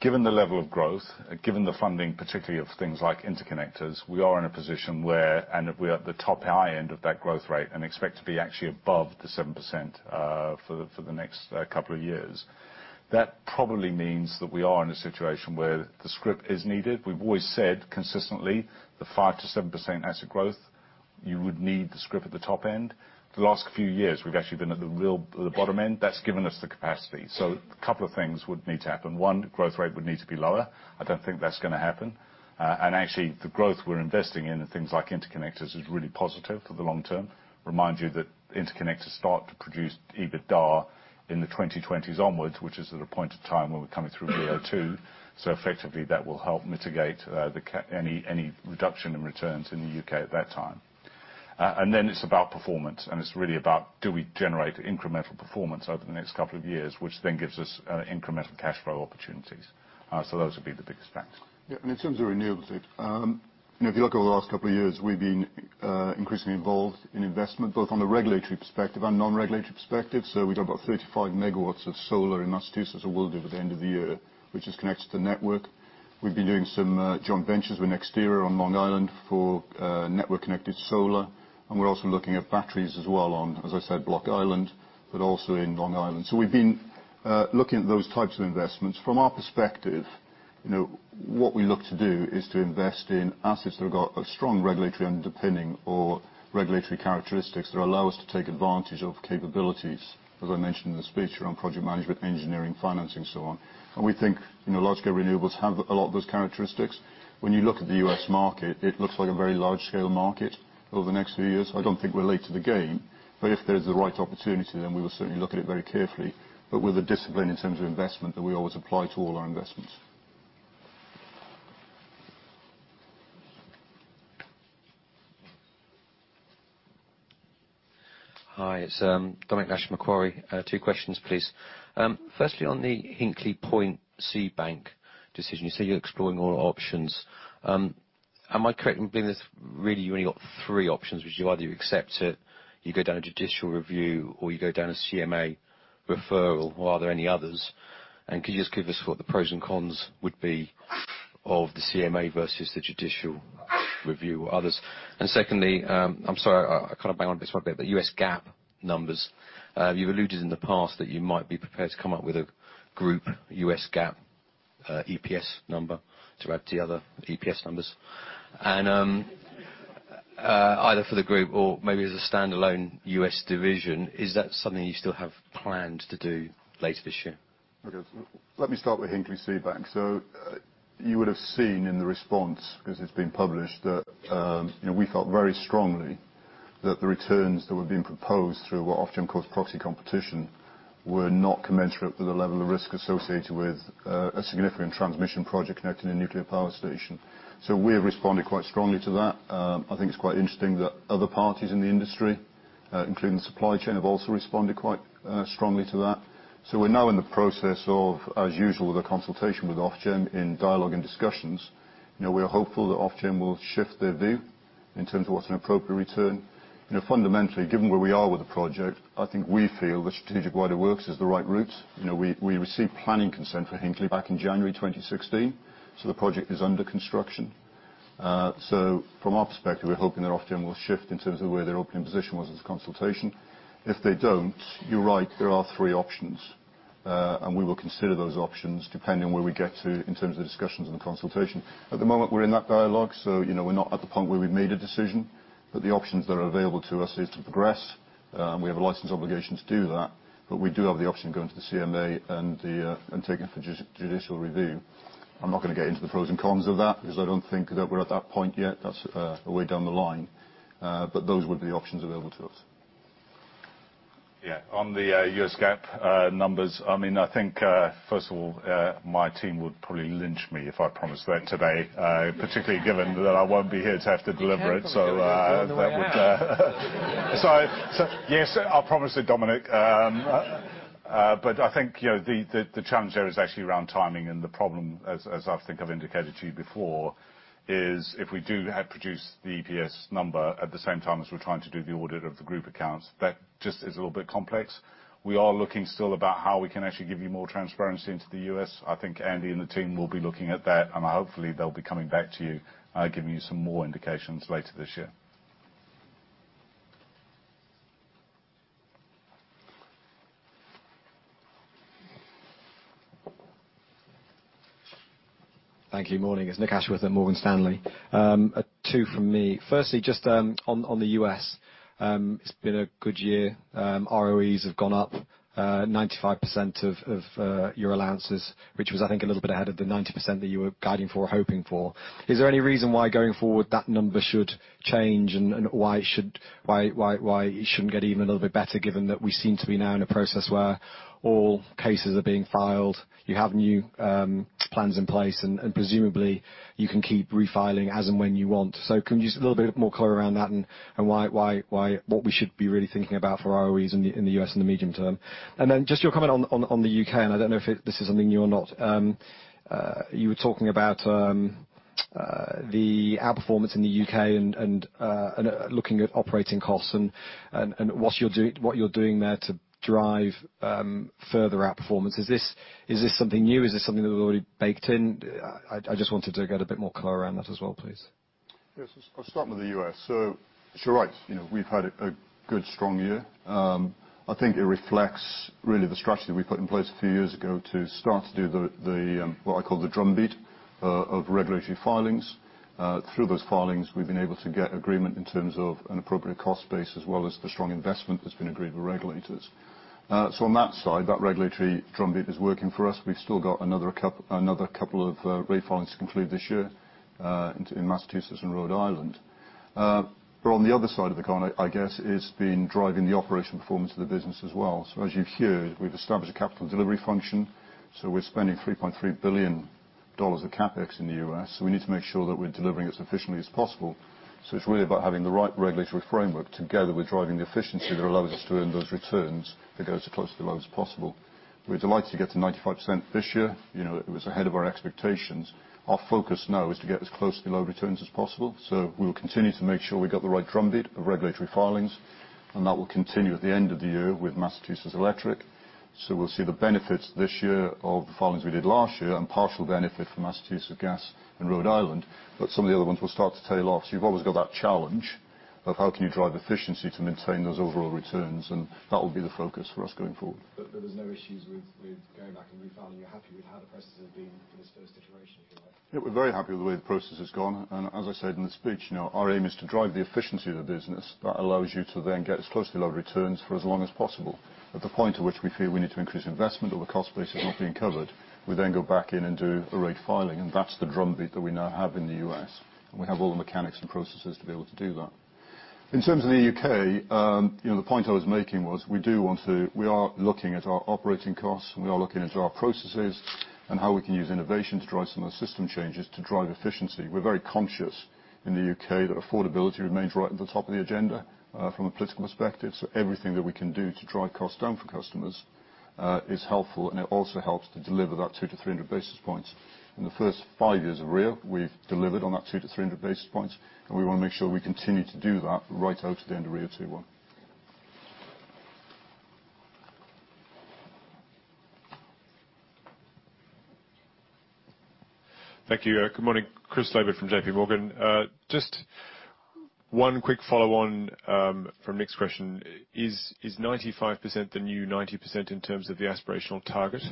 given the level of growth, given the funding, particularly of things like interconnectors, we are in a position where, and we're at the top high end of that growth rate and expect to be actually above the 7% for the next couple of years. That probably means that we are in a situation where the scrip is needed. We've always said consistently the 5%-7% asset growth, you would need the scrip at the top end. The last few years we've actually been at the bottom end. That's given us the capacity, so a couple of things would need to happen. One, growth rate would need to be lower. I don't think that's going to happen. Actually, the growth we're investing in and things like interconnectors is really positive for the long term. Remind you that interconnectors start to produce EBITDA in the 2020s onwards, which is at a point in time when we're coming through T2. So effectively that will help mitigate any reduction in returns in the UK at that time. Then it's about performance, and it's really about do we generate incremental performance over the next couple of years, which then gives us incremental cash flow opportunities. So those would be the biggest factors. Yeah. And in terms of renewables, if you look over the last couple of years, we've been increasingly involved in investment, both on the regulatory perspective and non-regulatory perspective. So we've got about 35 MW of solar in Massachusetts or will do by the end of the year, which is connected to the network. We've been doing some joint ventures with NextEra on Long Island for network-connected solar. And we're also looking at batteries as well on, as I said, Block Island, but also in Long Island. So we've been looking at those types of investments. From our perspective, what we look to do is to invest in assets that have got a strong regulatory underpinning or regulatory characteristics that allow us to take advantage of capabilities, as I mentioned in the speech around project management, engineering, financing, and so on. And we think large-scale renewables have a lot of those characteristics. When you look at the U.S. market, it looks like a very large-scale market over the next few years. I don't think we're late to the game, but if there's the right opportunity, then we will certainly look at it very carefully, but with a discipline in terms of investment that we always apply to all our investments. Hi. It's Dominic Nash, Macquarie. Two questions, please. Firstly, on the Hinkley-Seabank decision, you say you're exploring all options. Am I correct in believing this? Really, you only got three options, which is either you accept it, you go down a judicial review, or you go down a CMA referral, or are there any others? And could you just give us what the pros and cons would be of the CMA versus the judicial review or others? And secondly, I'm sorry, I kind of bang on a bit to my bit, but US GAAP numbers. You've alluded in the past that you might be prepared to come up with a group US GAAP EPS number to add to the other EPS numbers. And either for the group or maybe as a standalone US division, is that something you still have planned to do later this year? Okay. Let me start with Hinkley-Seabank. So you would have seen in the response, because it's been published, that we felt very strongly that the returns that were being proposed through what Ofgem calls proxy competition were not commensurate with the level of risk associated with a significant transmission project connecting a nuclear power station. So we have responded quite strongly to that. I think it's quite interesting that other parties in the industry, including the supply chain, have also responded quite strongly to that. We're now in the process of, as usual, the consultation with Ofgem in dialogue and discussions. We are hopeful that Ofgem will shift their view in terms of what's an appropriate return. Fundamentally, given where we are with the project, I think we feel the Strategic Wider Works is the right route. We received planning consent for Hinkley back in January 2016, so the project is under construction. From our perspective, we're hoping that Ofgem will shift in terms of where their opening position was as a consultation. If they don't, you're right, there are three options, and we will consider those options depending on where we get to in terms of the discussions and the consultation. At the moment, we're in that dialogue, so we're not at the point where we've made a decision, but the options that are available to us is to progress. We have a license obligation to do that, but we do have the option of going to the CMA and taking it for judicial review. I'm not going to get into the pros and cons of that because I don't think that we're at that point yet. That's a way down the line, but those would be the options available to us. Yeah. On the US GAAP numbers, I mean, I think, first of all, my team would probably lynch me if I promised that today, particularly given that I won't be here to have to deliver it. So that would. Sorry. Yes, I promised it, Dominic. But I think the challenge there is actually around timing, and the problem, as I think I've indicated to you before, is if we do produce the EPS number at the same time as we're trying to do the audit of the group accounts, that just is a little bit complex. We are looking still about how we can actually give you more transparency into the US. I think Andy and the team will be looking at that, and hopefully they'll be coming back to you, giving you some more indications later this year. Thank you. Morning. It's Nick Ashworth at Morgan Stanley. Two from me. Firstly, just on the US, it's been a good year. ROEs have gone up 95% of your allowances, which was, I think, a little bit ahead of the 90% that you were guiding for or hoping for. Is there any reason why going forward that number should change and why it shouldn't get even a little bit better, given that we seem to be now in a process where all cases are being filed, you have new plans in place, and presumably you can keep refiling as and when you want? So can you just be a little bit more clear around that and what we should be really thinking about for ROEs in the U.S. in the medium term? And then just your comment on the U.K., and I don't know if this is something new or not. You were talking about the outperformance in the U.K. and looking at operating costs and what you're doing there to drive further outperformance. Is this something new? Is this something that was already baked in? I just wanted to get a bit more clear around that as well, please. Yes. I'll start with the U.S. So you're right. We've had a good, strong year. I think it reflects really the strategy that we put in place a few years ago to start to do what I call the drumbeat of regulatory filings. Through those filings, we've been able to get agreement in terms of an appropriate cost base as well as the strong investment that's been agreed with regulators. So on that side, that regulatory drumbeat is working for us. We've still got another couple of refilings to conclude this year in Massachusetts and Rhode Island. But on the other side of the coin, I guess, is driving the operational performance of the business as well. So as you've heard, we've established a capital delivery function. So we're spending $3.3 billion of CapEx in the U.S. We need to make sure that we're delivering it as efficiently as possible. So it's really about having the right regulatory framework together with driving the efficiency that allows us to earn those returns that go as close to the low as possible. We're delighted to get to 95% this year. It was ahead of our expectations. Our focus now is to get as close to the low returns as possible. So we will continue to make sure we've got the right drumbeat of regulatory filings, and that will continue at the end of the year with Massachusetts Electric. So we'll see the benefits this year of the filings we did last year and partial benefit for Massachusetts Gas and Rhode Island, but some of the other ones will start to tail off. So you've always got that challenge of how can you drive efficiency to maintain those overall returns, and that will be the focus for us going forward. But there were no issues with going back and refiling. You're happy with how the process has been for this first iteration, if you like. Yeah. We're very happy with the way the process has gone. And as I said in the speech, our aim is to drive the efficiency of the business that allows you to then get as close to the low returns for as long as possible. At the point at which we feel we need to increase investment or the cost base is not being covered, we then go back in and do a rate filing, and that's the drumbeat that we now have in the U.S. We have all the mechanics and processes to be able to do that. In terms of the UK, the point I was making was we do want to - we are looking at our operating costs, and we are looking into our processes and how we can use innovation to drive some of the system changes to drive efficiency. We're very conscious in the UK that affordability remains right at the top of the agenda from a political perspective. So everything that we can do to drive costs down for customers is helpful, and it also helps to deliver that 200-300 basis points. In the first five years of RIIO, we've delivered on that 200-300 basis points, and we want to make sure we continue to do that right out to the end of RIIO 2021. Thank you. Good morning. Chris Laybutt from J.P. Morgan. Just one quick follow-on from Nick's question. Is 95% the new 90% in terms of the aspirational target?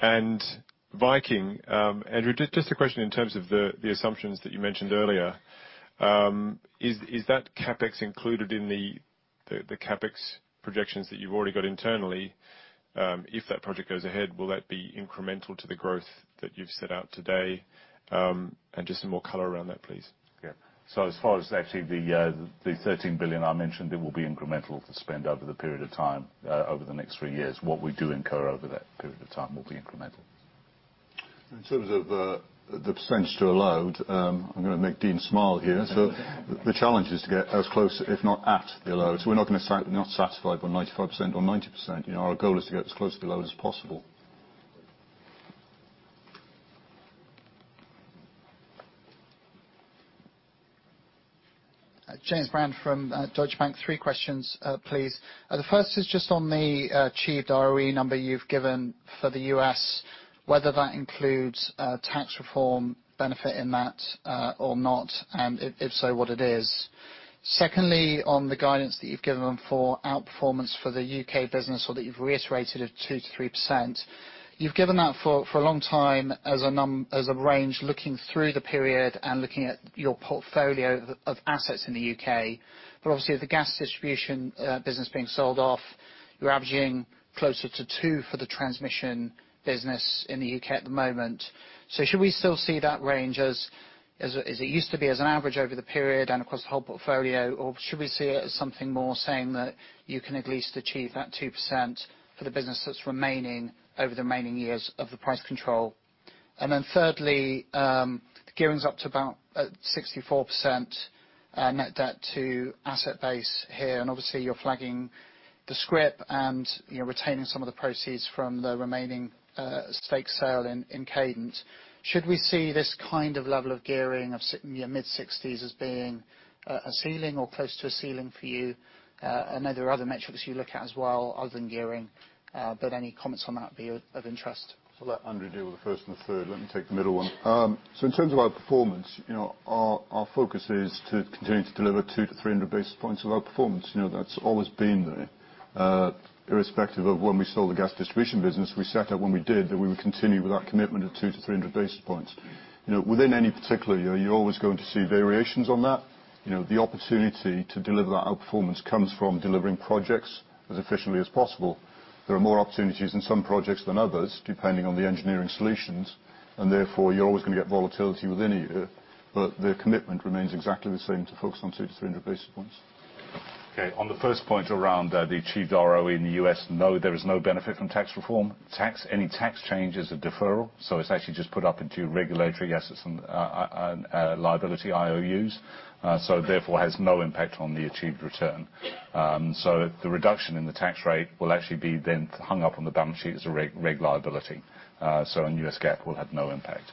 And Viking, Andrew, just a question in terms of the assumptions that you mentioned earlier. Is that CapEx included in the CapEx projections that you've already got internally? If that project goes ahead, will that be incremental to the growth that you've set out today? And just some more color around that, please. Yeah. So as far as actually the 13 billion I mentioned, it will be incremental to spend over the period of time, over the next three years. What we do incur over that period of time will be incremental. In terms of the percentage to a load, I'm going to make Dean smile here. So the challenge is to get as close, if not at, the load. So we're not satisfied with 95% or 90%. Our goal is to get as close to the load as possible. James Brand from Deutsche Bank. Three questions, please. The first is just on the achieved ROE number you've given for the U.S., whether that includes tax reform benefit in that or not, and if so, what it is. Secondly, on the guidance that you've given for outperformance for the U.K. business, or that you've reiterated of 2%-3%. You've given that for a long time as a range looking through the period and looking at your portfolio of assets in the U.K. But obviously, with the gas distribution business being sold off, you're averaging closer to 2% for the transmission business in the U.K. at the moment. Should we still see that range as it used to be, as an average over the period and across the whole portfolio, or should we see it as something more saying that you can at least achieve that 2% for the business that's remaining over the remaining years of the price control? Then thirdly, gearing up to about 64% net debt to asset base here. Obviously, you're flagging the scrip and retaining some of the proceeds from the remaining stake sale in Cadent. Should we see this kind of level of gearing of mid-60s% as being a ceiling or close to a ceiling for you? Are there other metrics you look at as well other than gearing? Any comments on that would be of interest. I'll let Andrew deal with the first and the third. Let me take the middle one. In terms of our performance, our focus is to continue to deliver 200-300 basis points of outperformance. That's always been there. Irrespective of when we sold the gas distribution business, we set out when we did that we would continue with that commitment of 200-300 basis points. Within any particular year, you're always going to see variations on that. The opportunity to deliver that outperformance comes from delivering projects as efficiently as possible. There are more opportunities in some projects than others, depending on the engineering solutions, and therefore you're always going to get volatility within a year. But the commitment remains exactly the same to focus on 200-300 basis points. Okay. On the first point around the achieved ROE in the U.S., no, there is no benefit from tax reform. Any tax change is a deferral. It's actually just put up into regulatory assets and liability IOUs. Therefore, it has no impact on the achieved return. The reduction in the tax rate will actually be then hung up on the balance sheet as a reg liability. On US GAAP, it will have no impact.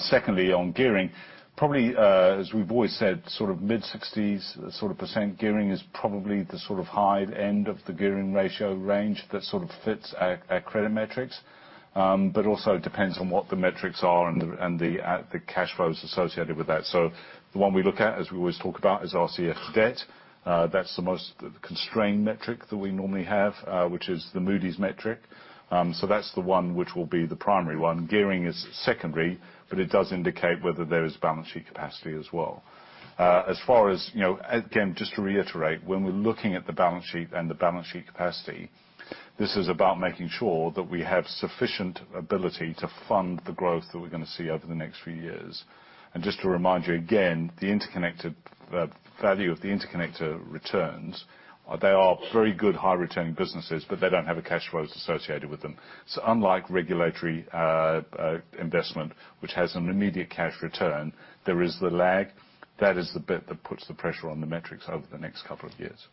Secondly, on gearing, probably as we've always said, sort of mid-60s sort of % gearing is probably the sort of high end of the gearing ratio range that sort of fits our credit metrics, but also depends on what the metrics are and the cash flows associated with that. The one we look at, as we always talk about, is RCF debt. That's the most constrained metric that we normally have, which is the Moody's metric. That's the one which will be the primary one. Gearing is secondary, but it does indicate whether there is balance sheet capacity as well. As far as, again, just to reiterate, when we're looking at the balance sheet and the balance sheet capacity, this is about making sure that we have sufficient ability to fund the growth that we're going to see over the next few years. And just to remind you again, the interconnector value of the interconnector returns, they are very good high-returning businesses, but they don't have a cash flow associated with them. So unlike regulatory investment, which has an immediate cash return, there is the lag. That is the bit that puts the pressure on the metrics over the next couple of years.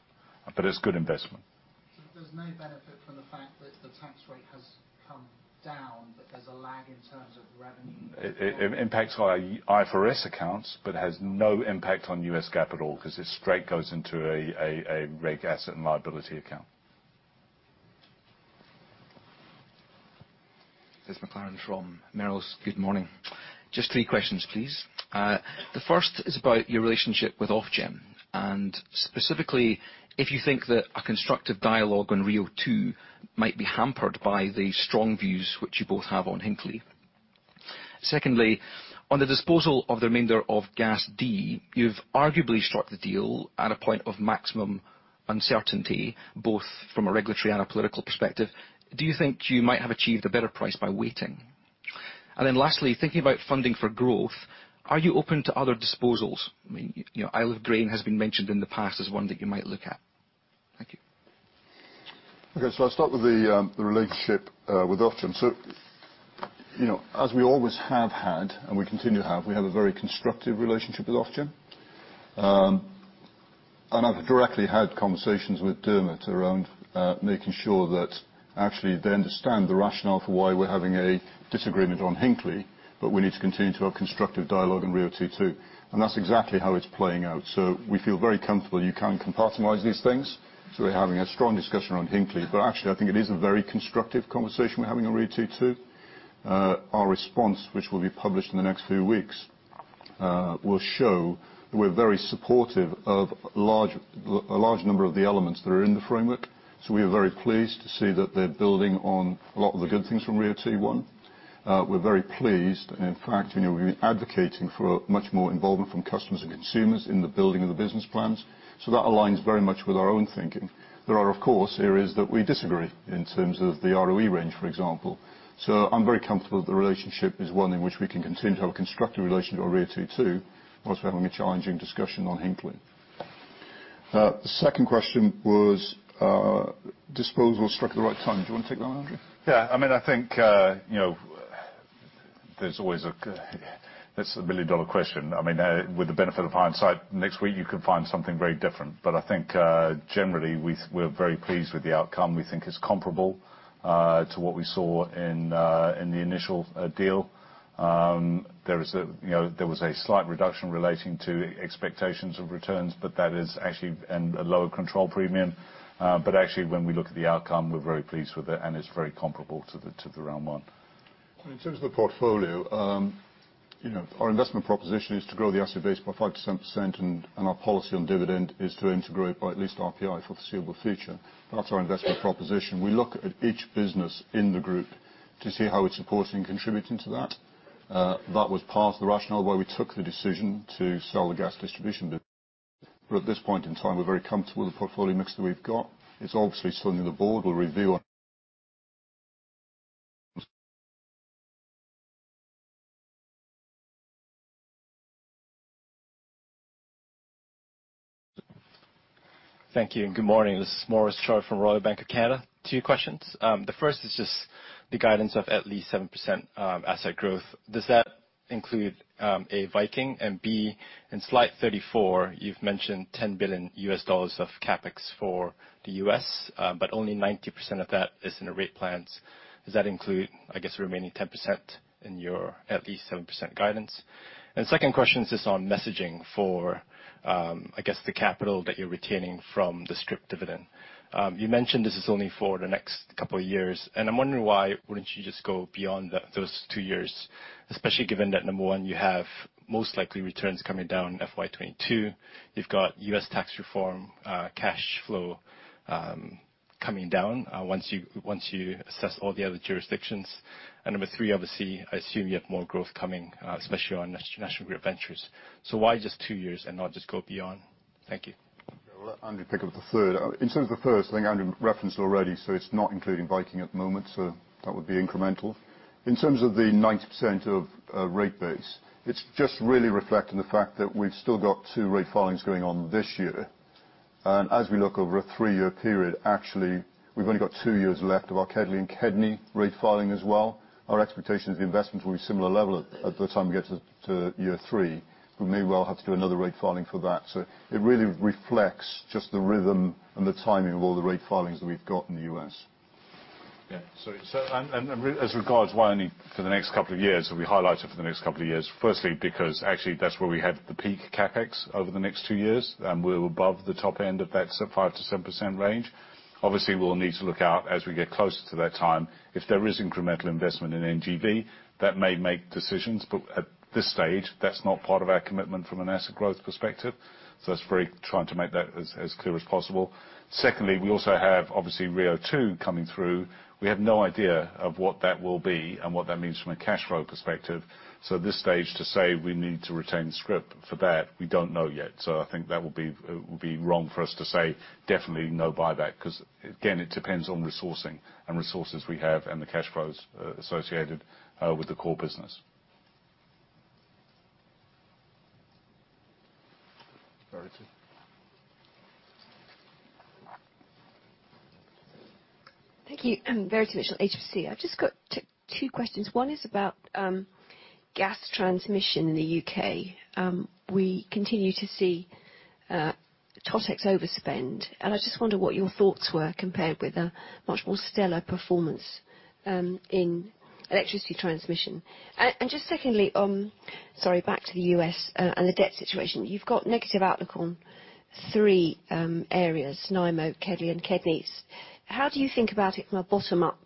But it's good investment. So there's no benefit from the fact that the tax rate has come down, but there's a lag in terms of revenue? It impacts our IFRS accounts, but has no impact on US GAAP at all because this straight goes into a reg asset and liability account. This is McLaren from Merrill. Good morning. Just three questions, please. The first is about your relationship with Ofgem, and specifically, if you think that a constructive dialogue on RIIO-T2 might be hampered by the strong views which you both have on Hinkley. Secondly, on the disposal of the remainder of Cadent, you've arguably struck the deal at a point of maximum uncertainty, both from a regulatory and a political perspective. Do you think you might have achieved a better price by waiting? And then lastly, thinking about funding for growth, are you open to other disposals? I mean, Isle of Grain has been mentioned in the past as one that you might look at. Thank you. Okay. I'll start with the relationship with Ofgem. As we always have had, and we continue to have, we have a very constructive relationship with Ofgem. I've directly had conversations with Dermot around making sure that actually they understand the rationale for why we're having a disagreement on Hinkley, but we need to continue to have constructive dialogue on RIIO-T2. That's exactly how it's playing out. We feel very comfortable you can compartmentalize these things. We're having a strong discussion around Hinkley. Actually, I think it is a very constructive conversation we're having on RIIO-T2. Our response, which will be published in the next few weeks, will show that we're very supportive of a large number of the elements that are in the framework. We are very pleased to see that they're building on a lot of the good things from RIIO-T2. We're very pleased. And in fact, we've been advocating for much more involvement from customers and consumers in the building of the business plans. That aligns very much with our own thinking. There are, of course, areas that we disagree in terms of the ROE range, for example. I'm very comfortable that the relationship is one in which we can continue to have a constructive relationship with RIIO-T2. Whilst we're having a challenging discussion on Hinkley. The second question was, disposal struck at the right time. Do you want to take that one, Andrew? Yeah. I mean, I think there's always a that's the million-dollar question. I mean, with the benefit of hindsight, next week you can find something very different. But I think generally we're very pleased with the outcome. We think it's comparable to what we saw in the initial deal. There was a slight reduction relating to expectations of returns, but that is actually a lower control premium. But actually, when we look at the outcome, we're very pleased with it, and it's very comparable to the round one. In terms of the portfolio, our investment proposition is to grow the asset base by 5%-10%, and our policy on dividend is to inflate by at least RPI for foreseeable future. That's our investment proposition. We look at each business in the group to see how it's supporting and contributing to that. That was part of the rationale why we took the decision to sell the gas distribution business. But at this point in time, we're very comfortable with the portfolio mix that we've got. It's obviously something the board will review. Thank you. And good morning. This is Maurice Choy from RBC Capital Markets. Two questions. The first is just the guidance of at least 7% asset growth. Does that include A, Viking, and B, in slide 34, you've mentioned $10 billion of CapEx for the US, but only 90% of that is in the rate plans. Does that include, I guess, the remaining 10% in your at least 7% guidance? And second question is just on messaging for, I guess, the capital that you're retaining from the scrip dividend. You mentioned this is only for the next couple of years. And I'm wondering why wouldn't you just go beyond those two years, especially given that, number one, you have most likely returns coming down FY 2022. You've got US tax reform cash flow coming down once you assess all the other jurisdictions. And number three, obviously, I assume you have more growth coming, especially on National Grid Ventures. So why just two years and not just go beyond? Thank you. I'll let Andrew pick up the third. In terms of the first, I think Andrew referenced it already, so it's not including Viking at the moment, so that would be incremental. In terms of the 90% of rate base, it's just really reflecting the fact that we've still got two rate filings going on this year. And as we look over a three-year period, actually, we've only got two years left of our KEDLI and KEDNY rate filing as well. Our expectation is the investments will be similar level at the time we get to year three. We may well have to do another rate filing for that. So it really reflects just the rhythm and the timing of all the rate filings that we've got in the US. Yeah. And as regards why only for the next couple of years, we highlighted for the next couple of years, firstly, because actually that's where we have the peak CapEx over the next two years, and we're above the top end of that 5%-7% range. Obviously, we'll need to look out as we get closer to that time. If there is incremental investment in NGV, that may make decisions, but at this stage, that's not part of our commitment from an asset growth perspective. So that's us trying to make that as clear as possible. Secondly, we also have obviously RIIO-T2 coming through. We have no idea of what that will be and what that means from a cash flow perspective. So at this stage, to say we need to retain the scrip for that, we don't know yet. So I think that will be wrong for us to say definitely no buyback because, again, it depends on resourcing and resources we have and the cash flows associated with the core business. Thank you Verity Mitchell HSBC. I've just got two questions. One is about gas transmission in the UK. We continue to see Totex overspend. And I just wonder what your thoughts were compared with a much more stellar performance in electricity transmission. And just secondly, sorry, back to the US and the debt situation. You've got negative outlook on three areas, NiMo, KEDLI, and KEDNY. How do you think about it from a bottom-up,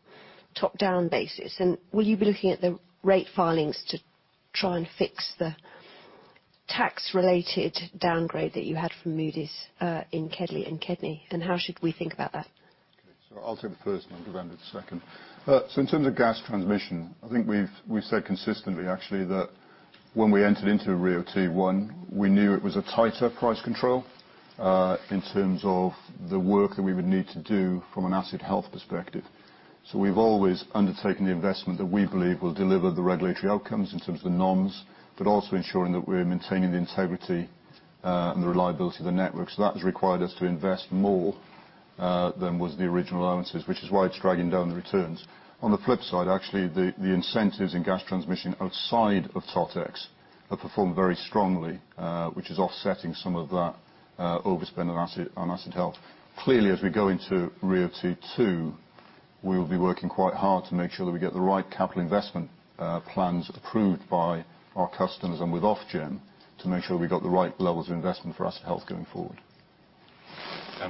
top-down basis? Will you be looking at the rate filings to try and fix the tax-related downgrade that you had from Moody's in KEDLI and KEDNY? And how should we think about that? Okay. I'll take the first and then go down to the second. In terms of gas transmission, I think we've said consistently, actually, that when we entered into RIIO-T1, we knew it was a tighter price control in terms of the work that we would need to do from an asset health perspective. We've always undertaken the investment that we believe will deliver the regulatory outcomes in terms of the norms, but also ensuring that we're maintaining the integrity and the reliability of the network. That has required us to invest more than was the original allowances, which is why it's dragging down the returns. On the flip side, actually, the incentives in gas transmission outside of Totex have performed very strongly, which is offsetting some of that overspend on asset health. Clearly, as we go into RIIO-T2, we will be working quite hard to make sure that we get the right capital investment plans approved by our customers and with Ofgem to make sure we've got the right levels of investment for asset health going forward.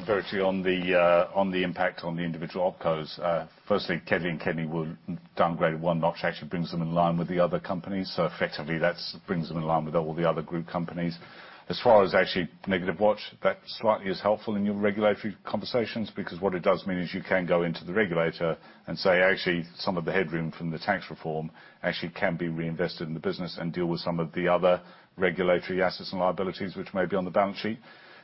Very clear on the impact on the individual opcos. Firstly, KEDLI and KEDNY will downgrade one notch actually brings them in line with the other companies. So effectively, that brings them in line with all the other group companies. As far as actually negative watch, that slightly is helpful in your regulatory conversations because what it does mean is you can go into the regulator and say, "Actually, some of the headroom from the tax reform actually can be reinvested in the business and deal with some of the other regulatory assets and liabilities which may be on the balance sheet."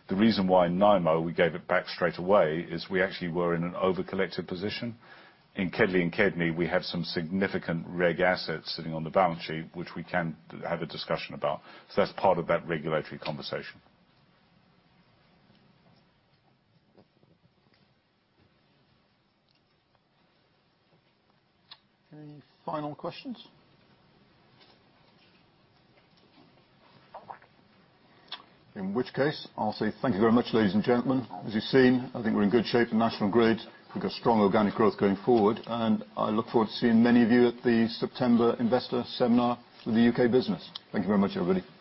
The reason why NiMo, we gave it back straight away, is we actually were in an over-collected position. In KEDLI and KEDNY, we have some significant reg assets sitting on the balance sheet, which we can have a discussion about. So that's part of that regulatory conversation. Any final questions? In which case, I'll say thank you very much, ladies and gentlemen. As you've seen, I think we're in good shape in National Grid. We've got strong organic growth going forward. I look forward to seeing many of you at the September investor seminar with the UK business. Thank you very much, everybody.